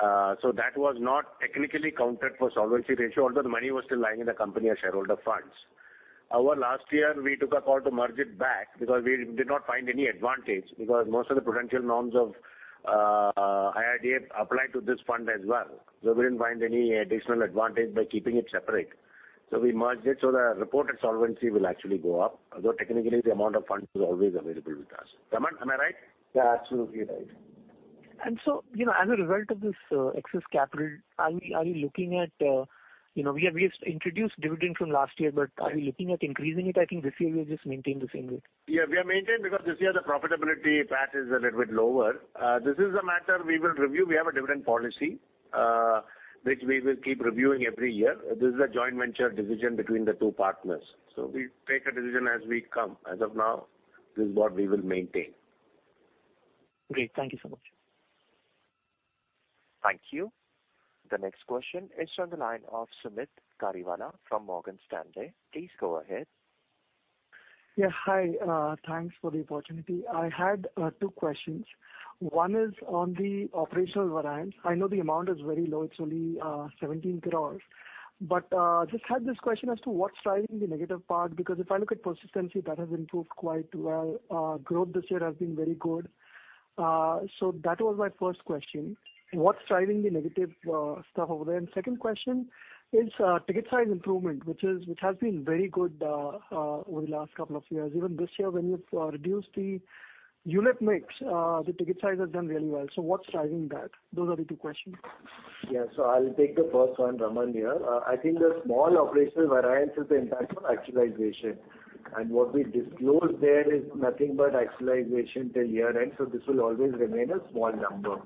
That was not technically counted for solvency ratio, although the money was still lying in the company as shareholder funds. Last year, we took a call to merge it back because we did not find any advantage, because most of the prudential norms of IRDA apply to this fund as well. We didn't find any additional advantage by keeping it separate. We merged it, so the reported solvency will actually go up, although technically the amount of funds is always available with us. Raman, am I right? Yeah, absolutely right. As a result of this excess capital, we have introduced dividend from last year, but are you looking at increasing it? I think this year we just maintained the same rate. Yeah, we have maintained because this year the profitability patch is a little bit lower. This is a matter we will review. We have a dividend policy, which we will keep reviewing every year. This is a joint venture decision between the two partners. We take a decision as we come. As of now, this is what we will maintain. Great. Thank you so much. Thank you. The next question is on the line of Sumeet Kariwala from Morgan Stanley. Please go ahead. Yeah. Hi. Thanks for the opportunity. I had two questions. One is on the operational variance. I know the amount is very low, it's only 17 crores. Just had this question as to what's driving the negative part, because if I look at persistency, that has improved quite well. Growth this year has been very good. So that was my first question. What's driving the negative stuff over there? Second question is ticket size improvement, which has been very good over the last couple of years. Even this year, when you've reduced the unit mix, the ticket size has done really well. So what's driving that? Those are the two questions. Yeah. I'll take the first one, Raman, here. I think the small operational variance is the impact of actualization. What we disclose there is nothing but actualization till year-end, so this will always remain a small number.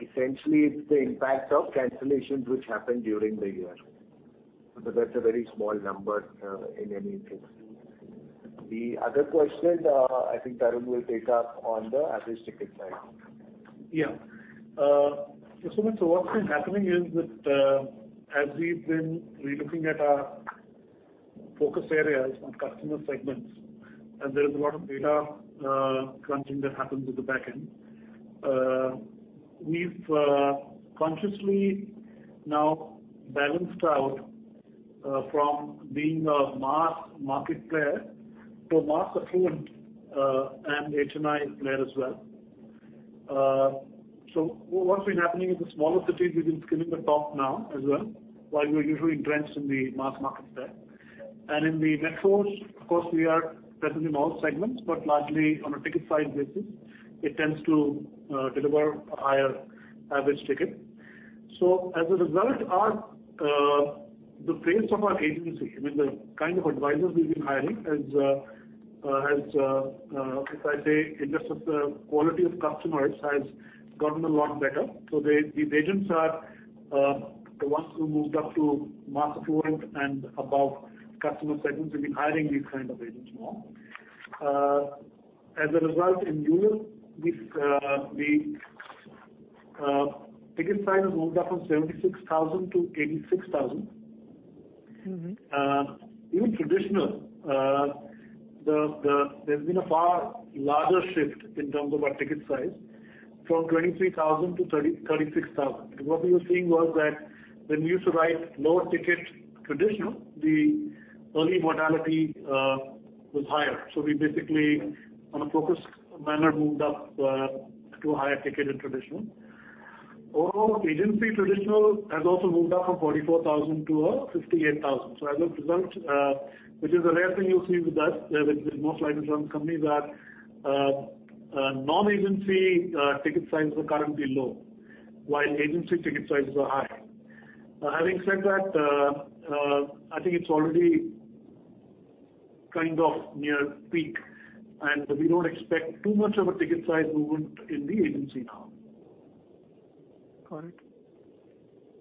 Essentially, it's the impact of cancellations which happened during the year. That's a very small number in any case. The other question, I think Tarun will take up on the average ticket size. What's been happening is that as we've been relooking at our focus areas on customer segments, and there's a lot of data crunching that happens at the back end. We've consciously now balanced out from being a mass market player to a mass affluent and HNI player as well. What's been happening in the smaller cities, we've been skimming the top now as well, while we were usually drenched in the mass market there. In the metros, of course, we are present in all segments, but largely on a ticket size basis, it tends to deliver a higher average ticket. As a result, the face of our agency, I mean, the kind of advisors we've been hiring has, if I say, in terms of the quality of customers, has gotten a lot better. These agents are the ones who moved up to mass affluent and above customer segments. We've been hiring these kind of agents more. As a result, in ULIP, the ticket size has moved up from 76,000 to 86,000. In traditional, there's been a far larger shift in terms of our ticket size from 23,000 to 36,000. What we were seeing was that when we used to write lower ticket traditional, the early mortality was higher. We basically, on a focused manner, moved up to a higher ticket in traditional. Overall, agency traditional has also moved up from 44,000 to 58,000. As a result, which is a rare thing you'll see with us, most life insurance companies are non-agency ticket sizes are currently low, while agency ticket sizes are high. Having said that, I think it's already kind of near peak, and we don't expect too much of a ticket size movement in the agency now. Got it.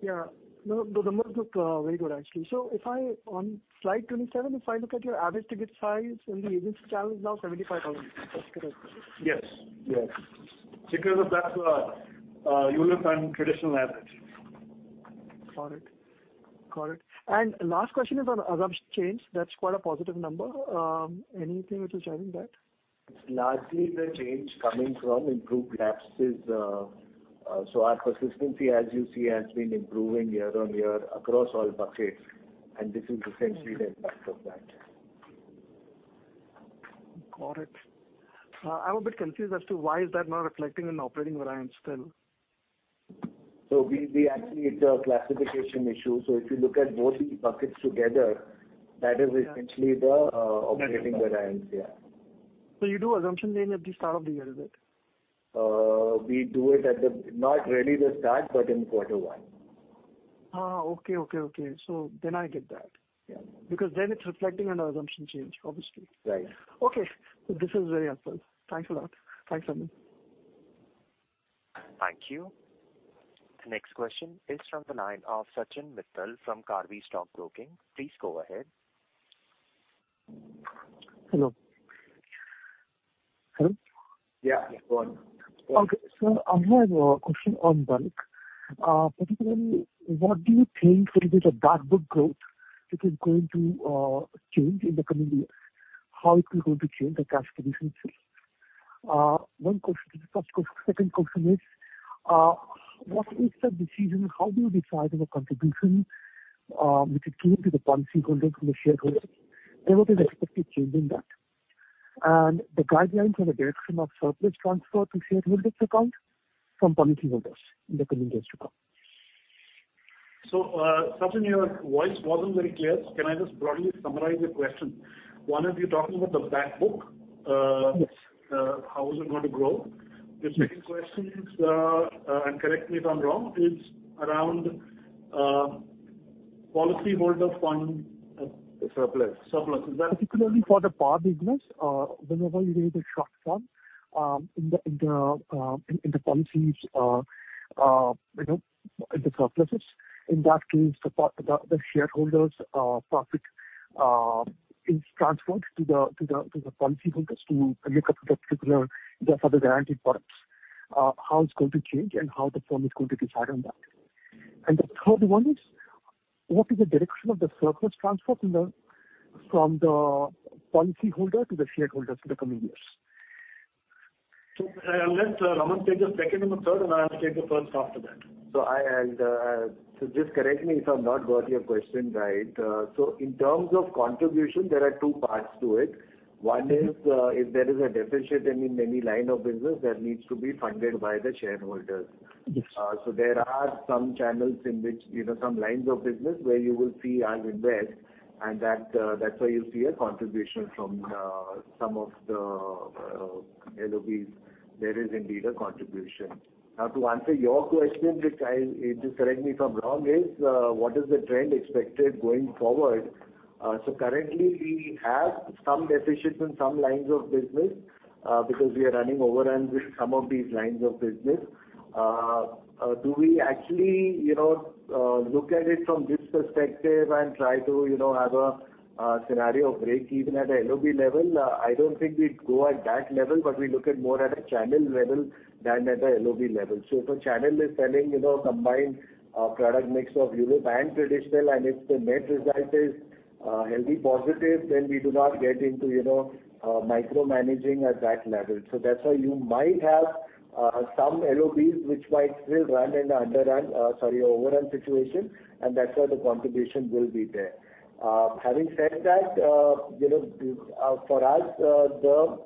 The numbers look very good, actually. If I on slide 27, if I look at your average ticket size in the agency channel is now 75,000. Is that correct? Yes. Because of that ULIP and traditional average. Got it. Last question is on assumption change. That's quite a positive number. Anything which is driving that? Largely the change coming from improved lapses. Our persistency, as you see, has been improving year-on-year across all buckets, and this is essentially the impact of that. Got it. I'm a bit confused as to why is that not reflecting in operating variance still. We actually, it's a classification issue. If you look at both the buckets together, that is essentially the operating variance, yeah. You do assumptions again at the start of the year, is it? We do it at the, not really the start, but in quarter one. Okay. I get that. Yeah. Because then it's reflecting on our assumption change, obviously. Right. Okay, this is very helpful. Thanks a lot. Thanks, Raman. Thank you. The next question is from the line of Sachin Mittal from DBS Bank. Please go ahead. Hello. Hello? Yeah, go on. Okay. I have a question on bulk. Particularly, what do you think will be the back book growth, if it's going to change in the coming years? How it is going to change the cash proficiency? One question. The second question is, what is the decision? How do you decide on a contribution which it gave to the policyholder from the shareholders? There will be the expected change in that. The guidelines or the direction of surplus transfer to shareholders account from policyholders in the coming years to come. Sachin, your voice wasn't very clear. Can I just broadly summarize your question? One is, you're talking about the back book. Yes. How is it going to grow? The second question is, and correct me if I'm wrong, is around policyholder fund- Surplus. Surplus. Is that- Particularly for the par business. Whenever you made a short term in the policies, in the surpluses. In that case, the shareholders' profit is transferred to the policyholders to make up the particular, the further guaranteed products. How it's going to change and how the firm is going to decide on that. What is the direction of the surplus transfer from the policyholder to the shareholders in the coming years? I'll let Raman take the second and the third, and I'll take the first after that. Just correct me if I've not got your question right. In terms of contribution, there are two parts to it. One is if there is a deficit in any line of business that needs to be funded by the shareholders. Yes. There are some lines of business where you will see an invest, and that's why you see a contribution from some of the LOBs. There is indeed a contribution. Now, to answer your question, which just correct me if I'm wrong, is what is the trend expected going forward? Currently, we have some deficits in some lines of business because we are running overruns with some of these lines of business. Do we actually look at it from this perspective and try to have a scenario break even at the LOB level? I don't think we'd go at that level, but we look at more at a channel level than at the LOB level. If a channel is selling combined product mix of ULIP and traditional, if the net result is healthy positive, then we do not get into micromanaging at that level. That's why you might have some LOBs which might still run in a overrun situation, and that's where the contribution will be there. Having said that, for us, the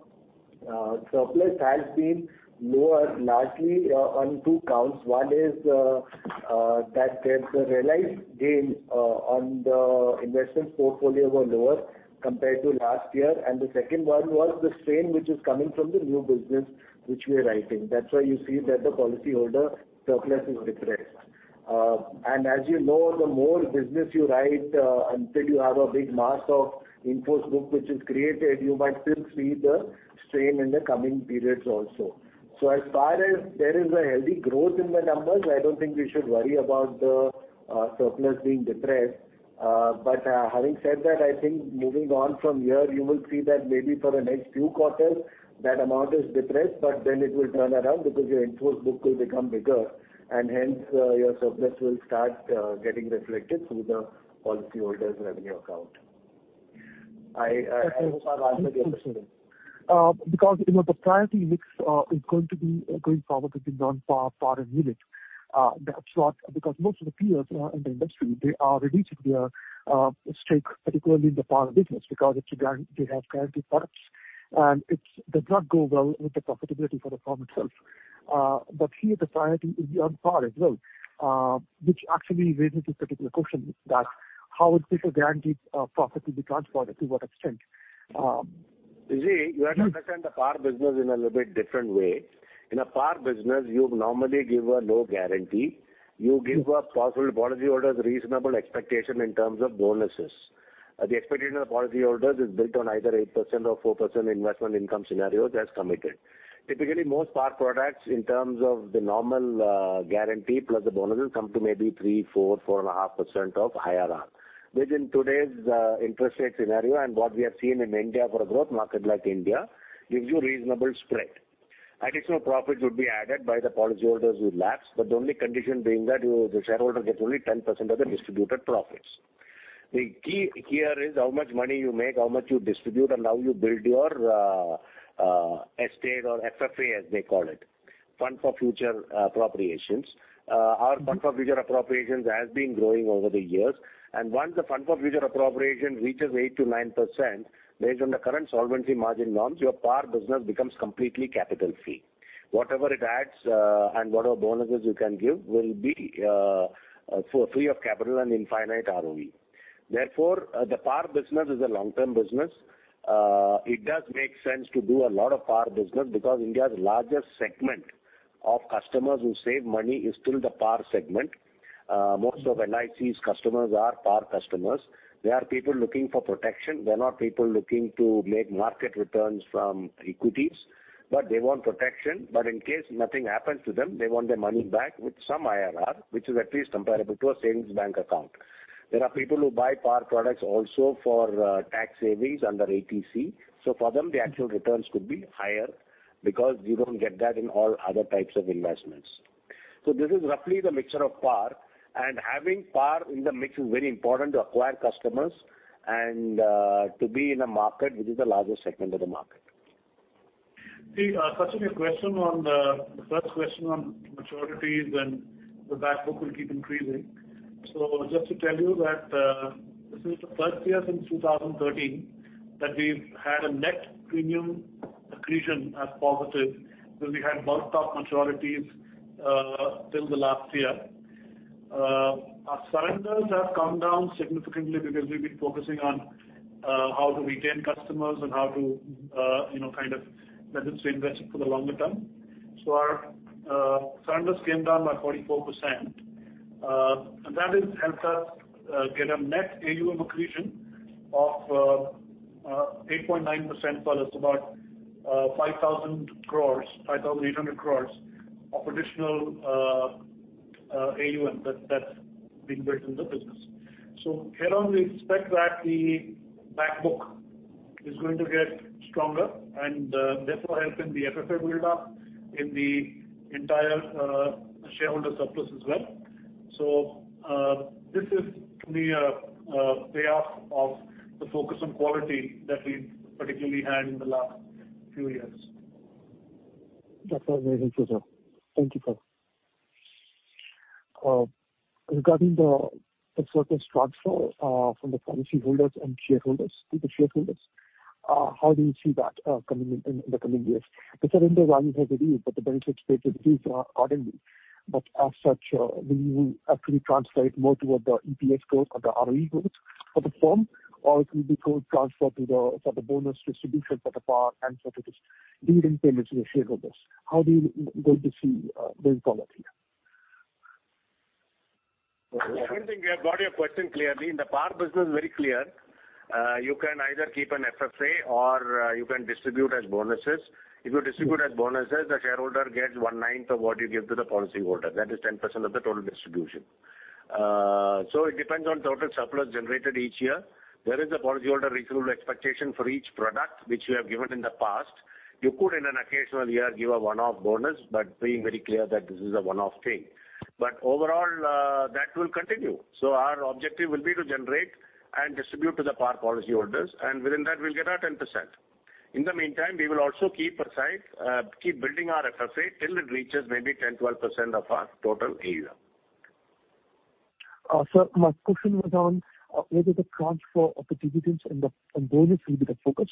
surplus has been lower largely on two counts. One is that the realized gain on the investment portfolio were lower compared to last year. The second one was the strain which is coming from the new business which we are writing. That's why you see that the policyholder surplus is depressed. As you know, the more business you write, until you have a big mass of in-force book which is created, you might still see the strain in the coming periods also. As far as there is a healthy growth in the numbers, I don't think we should worry about the surplus being depressed. Having said that, I think moving on from here, you will see that maybe for the next few quarters that amount is depressed, but then it will turn around because your in-force book will become bigger, and hence your surplus will start getting reflected through the policyholder's revenue account. I hope I've answered your question. The priority mix is going probably to be non-par and unit. That's what. Most of the peers in the industry, they are releasing their stake, particularly in the par business, because they have guarantee products, and it does not go well with the profitability for the firm itself. Here the priority is the par as well, which actually raises a particular question that how would this guarantee profit will be transferred to what extent? You see, you have to understand the par business in a little bit different way. In a par business, you normally give a low guarantee. You give a possible policyholder's reasonable expectation in terms of bonuses. The expectation of policyholders is built on either 8% or 4% investment income scenario that's committed. Typically, most par products in terms of the normal guarantee plus the bonuses come to maybe 3%, 4%, 4.5% of IRR. Within today's interest rate scenario and what we have seen in India for a growth market like India, gives you reasonable spread. Additional profits would be added by the policyholders who lapse, but the only condition being that the shareholder gets only 10% of the distributed profits. The key here is how much money you make, how much you distribute, and how you build your estate or FFA, as they call it, Fund for Future Appropriations. Our Fund for Future Appropriations has been growing over the years. Once the Fund for Future Appropriation reaches 8%-9%, based on the current solvency margin norms, your par business becomes completely capital free. Whatever it adds, and whatever bonuses you can give will be free of capital and infinite ROE. Therefore, the par business is a long-term business. It does make sense to do a lot of par business because India's largest segment of customers who save money is still the par segment. Most of LIC's customers are par customers. They are people looking for protection. They're not people looking to make market returns from equities. They want protection, but in case nothing happens to them, they want their money back with some IRR, which is at least comparable to a savings bank account. There are people who buy par products also for tax savings under 80C. For them, the actual returns could be higher because you don't get that in all other types of investments. This is roughly the mixture of par, and having par in the mix is very important to acquire customers and to be in a market which is the largest segment of the market. See, Sachin, your first question on maturities and the back book will keep increasing. Just to tell you that this is the first year since 2013 that we've had a net premium accretion as positive, because we had bulked up maturities till the last year. Our surrenders have come down significantly because we've been focusing on how to retain customers and how to let them stay invested for the longer term. Our surrenders came down by 44%. That has helped us get a net AUM accretion of 8.9%, that's about 5,800 crores of additional AUM that's been built in the business. Here on, we expect that the back book is going to get stronger and therefore helping the FFA build up in the entire shareholder surplus as well. This is the payoff of the focus on quality that we particularly had in the last few years. That's very helpful, sir. Thank you. Regarding the surplus transfer from the policyholders and to the shareholders, how do you see that in the coming years? The surrender value has increased, the benefits paid increased accordingly. As such, we will actually transfer it more toward the EPS growth or the ROE growth for the firm, or it will be transferred to the bonus distributions at the par and such it is dividend payments to the shareholders. How do you going to see this policy? I don't think I've got your question clearly. In the PAR business, very clear. You can either keep an FFA or you can distribute as bonuses. If you distribute as bonuses, the shareholder gets one-ninth of what you give to the policyholder. That is 10% of the total distribution. It depends on total surplus generated each year. There is a policyholder reasonable expectation for each product, which we have given in the past. You could, in an occasional year, give a one-off bonus, but being very clear that this is a one-off thing. Overall, that will continue. Our objective will be to generate and distribute to the PAR policyholders, and within that, we'll get our 10%. In the meantime, we will also keep aside, keep building our FFA till it reaches maybe 10, 12% of our total AUM. Sir, my question was on whether the transfer of the dividends and the bonus will be the focus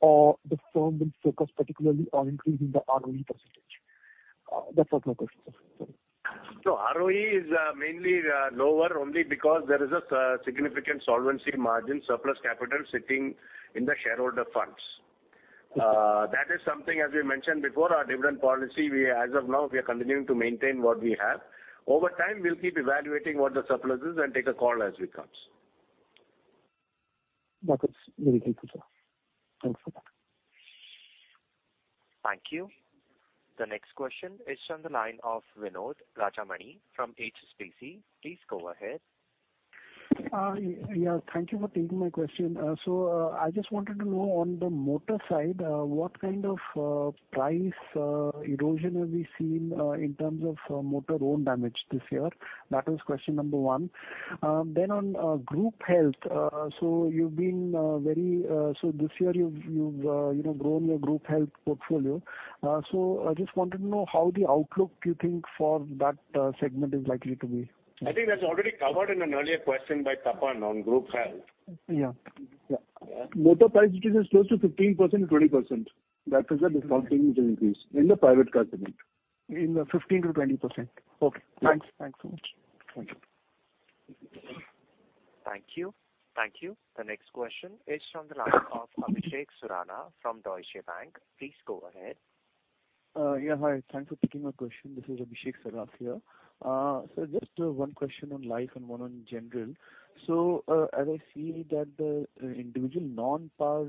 or the firm will focus particularly on increasing the ROE percentage. That was my question. Sorry. No, ROE is mainly lower only because there is a significant solvency margin surplus capital sitting in the shareholder funds. That is something, as we mentioned before, our dividend policy, as of now, we are continuing to maintain what we have. Over time, we'll keep evaluating what the surplus is and take a call as it comes. That is very helpful, sir. Thanks for that. Thank you. The next question is on the line of Vinod Rajamani from HSBC. Please go ahead. Yeah, thank you for taking my question. I just wanted to know on the motor side, what kind of price erosion have you seen in terms of motor own damage this year? That was question number one. On group health, this year you've grown your group health portfolio. I just wanted to know how the outlook you think for that segment is likely to be. I think that's already covered in an earlier question by Tapan on group health. Yeah. Motor price, it is close to 15%, 20%. That is the discounting which has increased in the private car segment. In the 15%-20%. Okay. Thanks so much. Thank you. Thank you. The next question is from the line of Abhishek Surana from Deutsche Bank. Please go ahead. Yeah. Hi. Thanks for taking my question. This is Abhishek Surana here. Sir, just one question on life and one on general. As I see that the individual non-par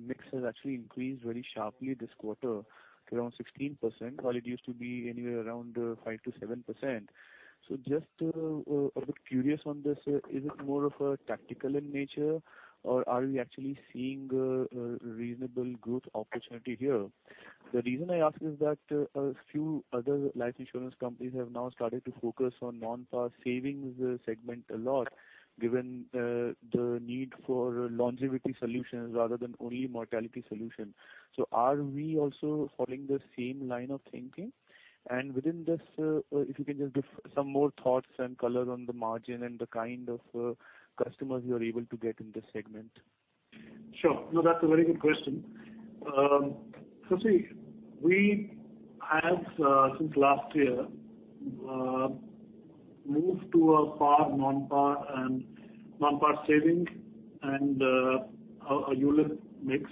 mix has actually increased very sharply this quarter to around 16%, while it used to be anywhere around 5%-7%. Just a bit curious on this, is it more of a tactical in nature, or are we actually seeing a reasonable growth opportunity here? The reason I ask is that a few other life insurance companies have now started to focus on non-par savings segment a lot, given the need for longevity solutions rather than only mortality solution. Are we also following the same line of thinking? Within this, if you can just give some more thoughts and color on the margin and the kind of customers you are able to get in this segment. Sure. No, that's a very good question. See, we have, since last year, moved to a par, non-par and non-par saving and a ULIP mix.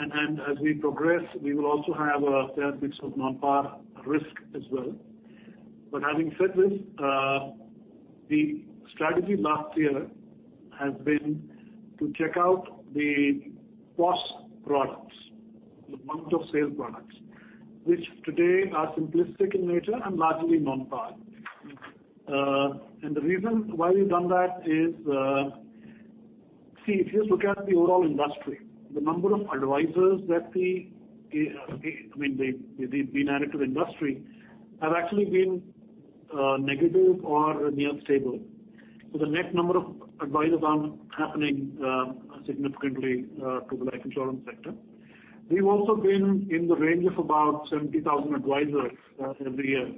As we progress, we will also have a fair mix of non-par risk as well. Having said this, the strategy last year has been to check out the POS products, the amount of sale products, which today are simplistic in nature and largely non-par. The reason why we've done that is. If you look at the overall industry, the number of advisors that we've been added to the industry have actually been negative or near stable. The net number of advisors aren't happening significantly to the life insurance sector. We've also been in the range of about 70,000 advisors every year.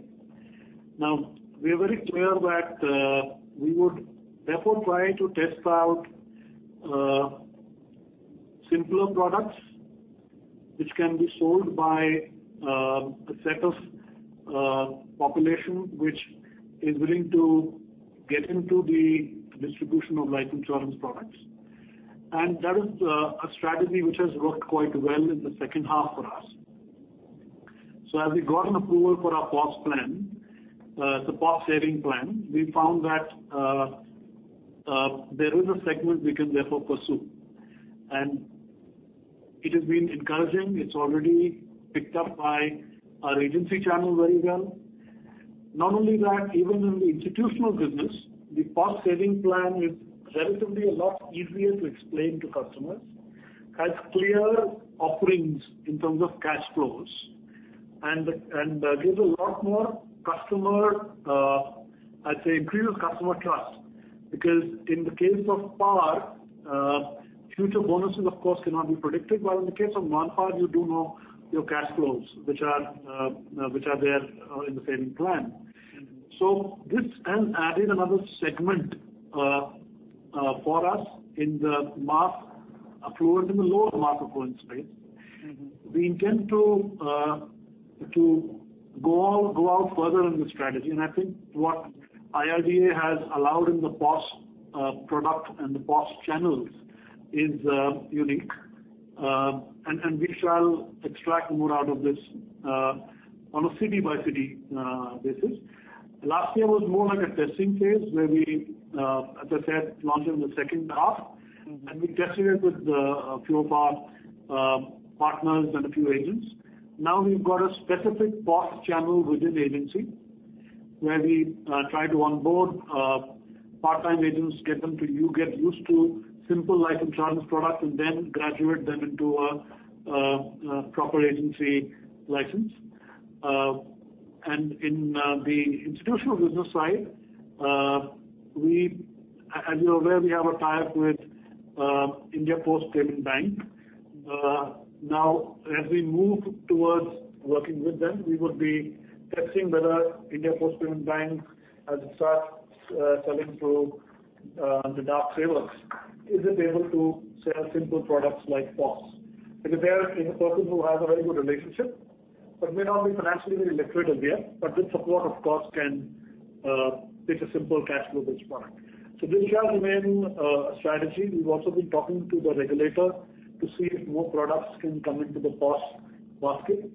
We are very clear that we would therefore try to test out simpler products which can be sold by a set of population which is willing to get into the distribution of life insurance products. That is a strategy which has worked quite well in the second half for us. As we got an approval for our POS plan, the POS saving plan, we found that there is a segment we can therefore pursue. It has been encouraging. It's already picked up by our agency channel very well. Not only that, even in the institutional business, the PaSS saving plan is relatively a lot easier to explain to customers, has clear offerings in terms of cash flows and gives a lot more customer, I'd say, increased customer trust. In the case of PaSS, future bonuses, of course, cannot be predicted. In the case of non-PaSS you do know your cash flows which are there in the saving plan. This has added another segment for us towards in the lower mass affluent space. We intend to go out further in this strategy, and I think what IRDA has allowed in the PaSS product and the PaSS channels is unique. We shall extract more out of this on a city-by-city basis. Last year was more like a testing phase where we, as I said, launched in the second half and we tested it with a few of our partners and a few agents. We've got a specific PaSS channel within the agency where we try to onboard part-time agents, get them to get used to simple life insurance products and then graduate them into a proper agency license. In the institutional business side, as you're aware, we have a tie-up with India Post Payments Bank. As we move towards working with them, we would be testing whether India Post Payments Bank as it starts selling through the Dak retailers, is it able to sell simple products like PaSS? There is a person who has a very good relationship but may not be financially very literate there. This support, of course, can pitch a simple cash flow-based product. This shall remain a strategy. We've also been talking to the regulator to see if more products can come into the PaSS basket.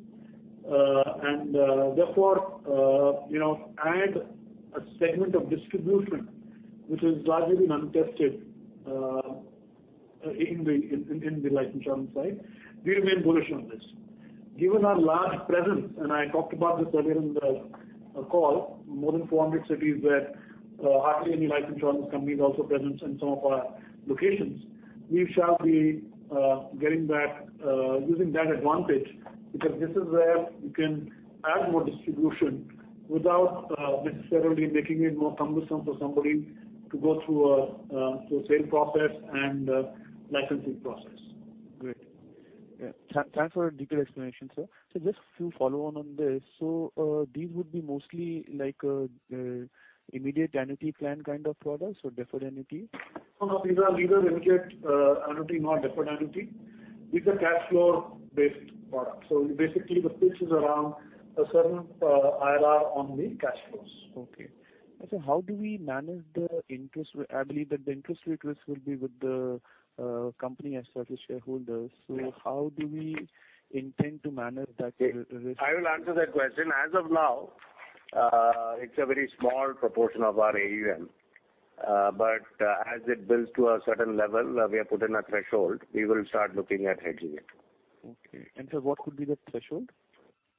Therefore, add a segment of distribution which is largely been untested in the life insurance side. We remain bullish on this. Given our large presence, I talked about this earlier in the call, more than 400 cities where hardly any life insurance company is also present in some of our locations. We shall be using that advantage because this is where we can add more distribution without necessarily making it more cumbersome for somebody to go through a sale process and licensing process. Great. Yeah. Thanks for that detailed explanation, sir. Just a few follow-on on this. These would be mostly immediate annuity plan kind of products or deferred annuity? No, these are neither immediate annuity nor deferred annuity. These are cash flow-based products. Basically the pitch is around a certain IRR on the cash flows. Okay. How do we manage the interest? I believe that the interest rate risk will be with the company as far as the shareholders. How do we intend to manage that risk? I will answer that question. As of now, it's a very small proportion of our AUM. As it builds to a certain level, we have put in a threshold, we will start looking at hedging it. Okay. Sir, what could be the threshold?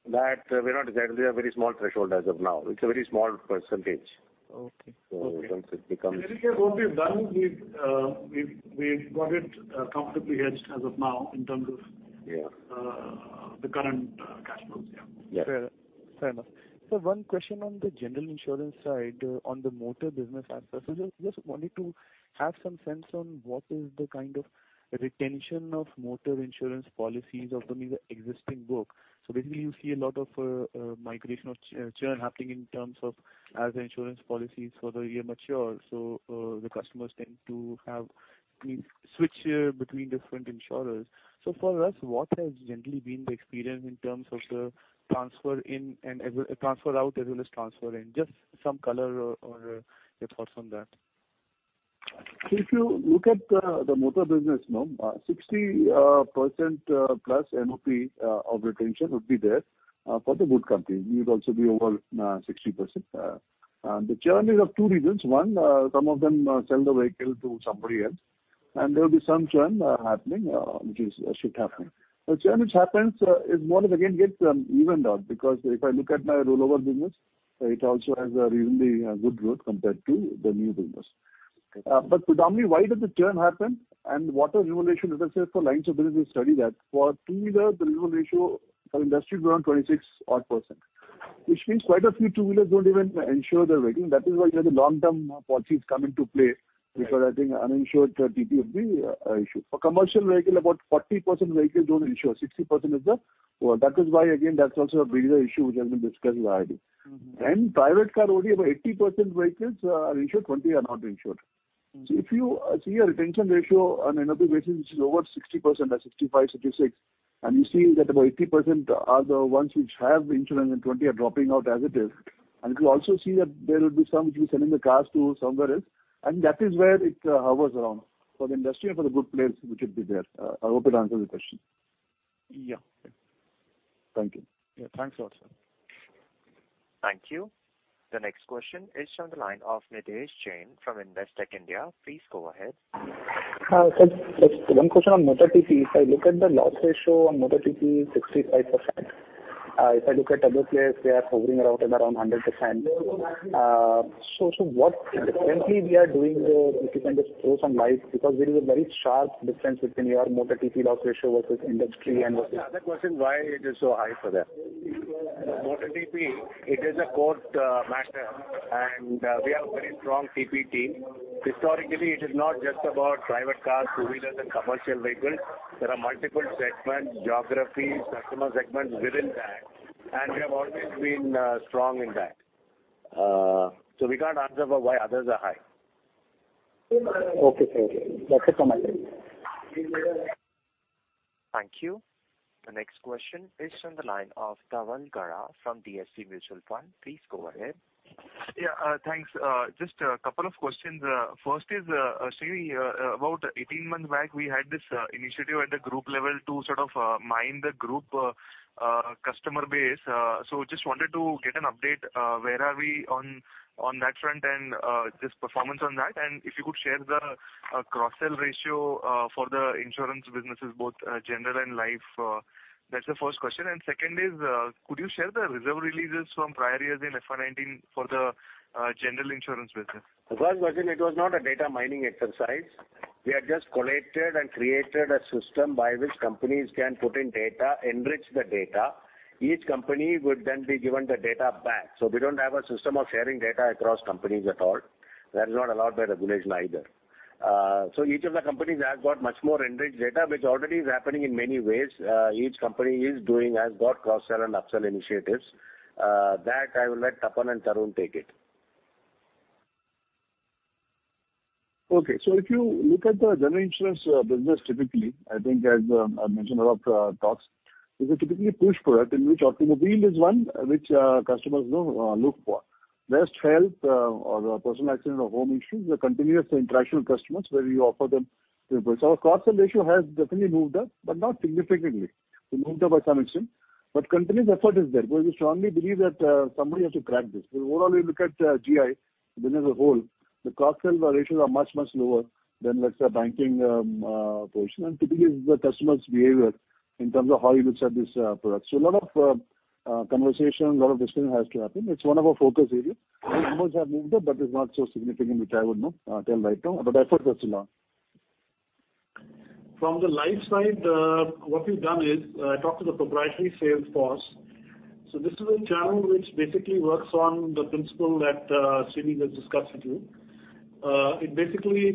A very small threshold as of now. It's a very small percentage. Okay. Once it becomes- In any case, what we've done is we've got it comfortably hedged as of now in terms of Yeah the current cash flows. Yeah. Yeah. Fair. Fair enough. Sir, one question on the general insurance side on the motor business aspect. Just wanted to have some sense on what is the kind of retention of motor insurance policies of the existing book. Basically you see a lot of migration of churn happening in terms of as insurance policies for the year mature. The customers tend to switch between different insurers. For us, what has generally been the experience in terms of the transfer out as well as transfer in? Just some color or your thoughts on that. If you look at the motor business, 60%+ NOP of retention would be there for the good company. We would also be over 60%. The churn is of two reasons. One, some of them sell the vehicle to somebody else, and there will be some churn happening which should happen. The churn which happens more or less again gets evened out because if I look at my rollover business, it also has a reasonably good growth compared to the new business. Okay. Predominantly why does the churn happen and what are the renewal ratio differences for lines of business study that for two-wheeler, the renewal ratio for industry is around 26%, which means quite a few two-wheelers don't even insure their vehicle. That is why you have the long-term policies come into play because I think uninsured TP would be an issue. For commercial vehicle, about 40% vehicles don't insure. That is why again that's also a bigger issue which has been discussed with IRDA. Private car only about 80% vehicles are insured, 20% are not insured. If you see a retention ratio on NOP basis which is over 60% or 65%, 66%, and you see that about 80% are the ones which have insurance and 20% are dropping out as it is. You could also see that there will be some who is selling the cars to somewhere else, and that is where it hovers around for the industry and for the good players which would be there. I hope that answers your question. Yeah. Thank you. Yeah. Thanks a lot, sir. Thank you. The next question is from the line of Nidhesh Jain from Investec. Please go ahead. Sir, just one question on motor TP. If I look at the loss ratio on motor TP 65%. If I look at other players, they are hovering around at around 100%. What differently we are doing there if you can just throw some light, because there is a very sharp difference between your motor TP loss ratio versus industry and. The other question, why it is so high for them? Motor TP, it is a core matter, and we have very strong TP team. Historically, it is not just about private cars, two-wheelers, and commercial vehicles. There are multiple segments, geographies, customer segments within that, and we have always been strong in that. We can't answer for why others are high. Okay. That's a comment. Thank you. The next question is on the line of Dhaval Gada from DSP Mutual Fund. Please go ahead. Yeah. Thanks. Just a couple of questions. First is, Srini, about 18 months back, we had this initiative at the group level to sort of mine the group customer base. Just wanted to get an update, where are we on that front and just performance on that? If you could share the cross-sell ratio for the insurance businesses, both general and life. That's the first question. Second is, could you share the reserve releases from prior years in FY 2019 for the general insurance business? Dhaval, it was not a data mining exercise. We had just collated and created a system by which companies can put in data, enrich the data. Each company would then be given the data back. We don't have a system of sharing data across companies at all. That is not allowed by regulation either. Each of the companies have got much more enriched data, which already is happening in many ways. Each company has got cross-sell and up-sell initiatives. That I will let Tapan and Tarun take it. If you look at the general insurance business, typically, I think as I mentioned a lot of talks, this is typically a push product in which automobile is one which customers look for. Best health or personal accident or home insurance is a continuous interaction with customers where we offer them 0. Our cross-sell ratio has definitely moved up, but not significantly. We moved up by some extent, but continuous effort is there because we strongly believe that somebody has to crack this because overall we look at GI business as a whole, the cross-sell ratios are much, much lower than, let's say, a banking portion and typically it's the customer's behavior in terms of how he looks at this product. A lot of conversation, a lot of discussion has to happen. It's one of our focus areas. The numbers have moved up, it's not so significant, which I would not tell right now, effort that's gone. From the life side, what we've done is talk to the proprietary sales force. This is a channel which basically works on the principle that Srini has discussed with you.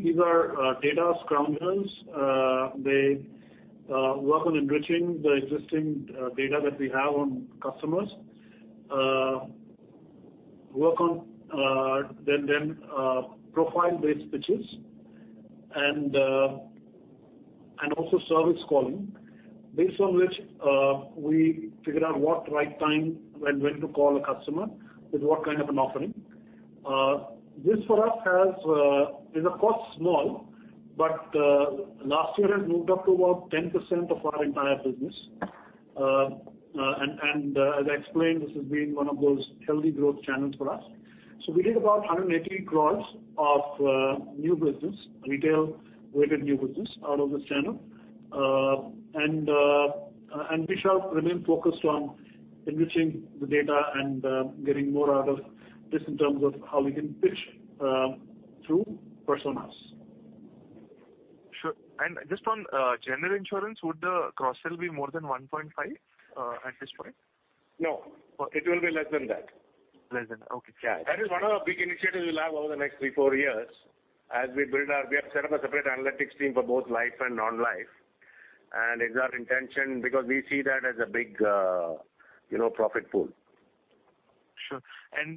These are data scrum deals. They work on enriching the existing data that we have on customers, work on then profile-based pitches and also service calling based on which we figure out what right time and when to call a customer with what kind of an offering. This for us is of course small, but last year has moved up to about 10% of our entire business. As I explained, this has been one of those healthy growth channels for us. We did about 180 crores of new business, retail-weighted new business out of this channel. We shall remain focused on enriching the data and getting more out of this in terms of how we can pitch through personas. Sure. Just on general insurance, would the cross-sell be more than 1.5 at this point? No. Okay. It will be less than that. Less than. Okay. Yeah. That is one of the big initiatives we'll have over the next three, four years. We have set up a separate analytics team for both life and non-life, it's our intention because we see that as a big profit pool. Sure.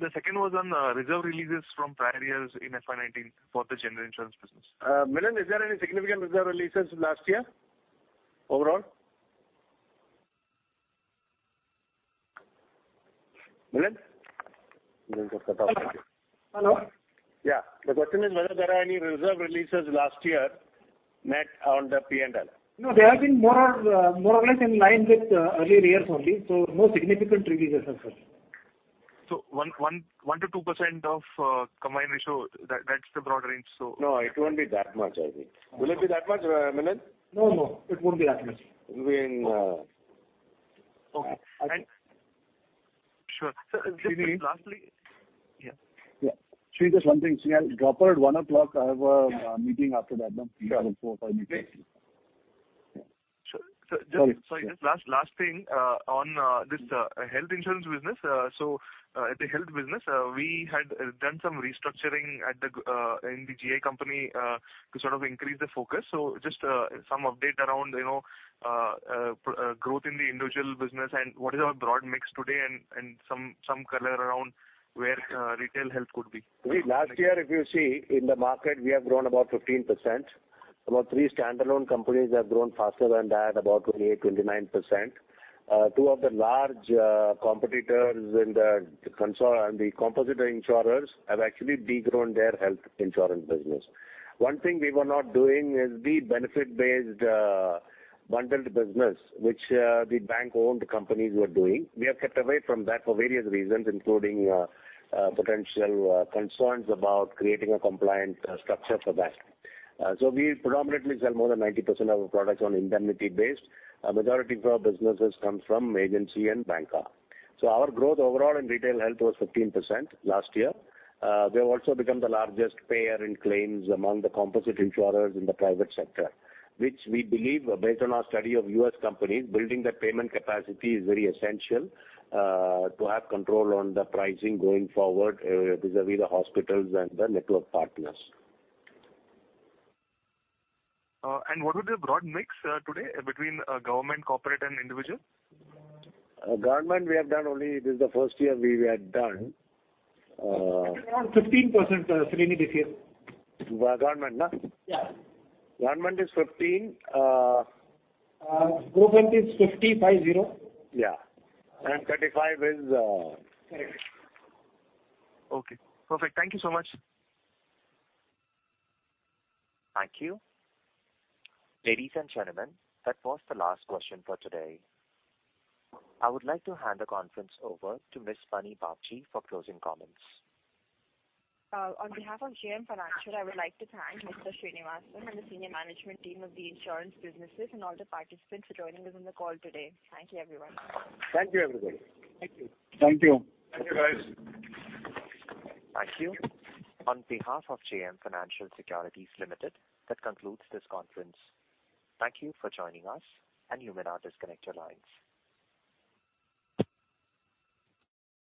The second was on reserve releases from prior years in FY 2019 for the general insurance business. Milind, is there any significant reserve releases last year overall? Milind? Milind got cut off. Hello. Yeah. The question is whether there are any reserve releases last year net on the P&L. No, they have been more or less in line with earlier years only, so no significant releases as such. 1%-2% of combined ratio, that's the broad range. No, it won't be that much, I think. Will it be that much, Milind? No, it won't be that much. It'll be in. Okay. Thanks. Sure. Srini. Sir, just lastly. Yeah. Yeah. Srini, just one thing, see I've got at one o'clock I have a meeting after that. I have four, five meetings. Sure. Sorry. Sorry, just last thing, on this health insurance business. At the health business, we had done some restructuring in the GI company to sort of increase the focus. Just some update around growth in the individual business and what is our broad mix today and some color around where retail health could be. Last year, if you see in the market, we have grown about 15%. About three standalone companies have grown faster than that, about 28%, 29%. Two of the large competitors and the composite insurers have actually de-grown their health insurance business. One thing we were not doing is the benefit-based bundled business, which the bank-owned companies were doing. We have kept away from that for various reasons, including potential concerns about creating a compliant structure for that. We predominantly sell more than 90% of our products on indemnity based. A majority of our businesses come from agency and banca. Our growth overall in retail health was 15% last year. We have also become the largest payer in claims among the composite insurers in the private sector, which we believe based on our study of U.S. companies, building that payment capacity is very essential to have control on the pricing going forward vis-à-vis the hospitals and the network partners. What is the broad mix today between government, corporate, and individual? Government, we have done only this is the first year we had done. Around 15%, Srini, this year. Government, right? Yeah. Government is 15%. Government is 550. Yeah. Correct. Okay. Perfect. Thank you so much. Thank you. Ladies and gentlemen, that was the last question for today. I would like to hand the conference over to Ms. Anjali Pandey for closing comments. On behalf of JM Financial, I would like to thank Mr. Srinivasan and the senior management team of the insurance businesses and all the participants for joining us on the call today. Thank you everyone. Thank you everybody. Thank you. Thank you. Thank you, guys. Thank you. On behalf of JM Financial Securities Limited, that concludes this conference. Thank you for joining us, and you may now disconnect your lines.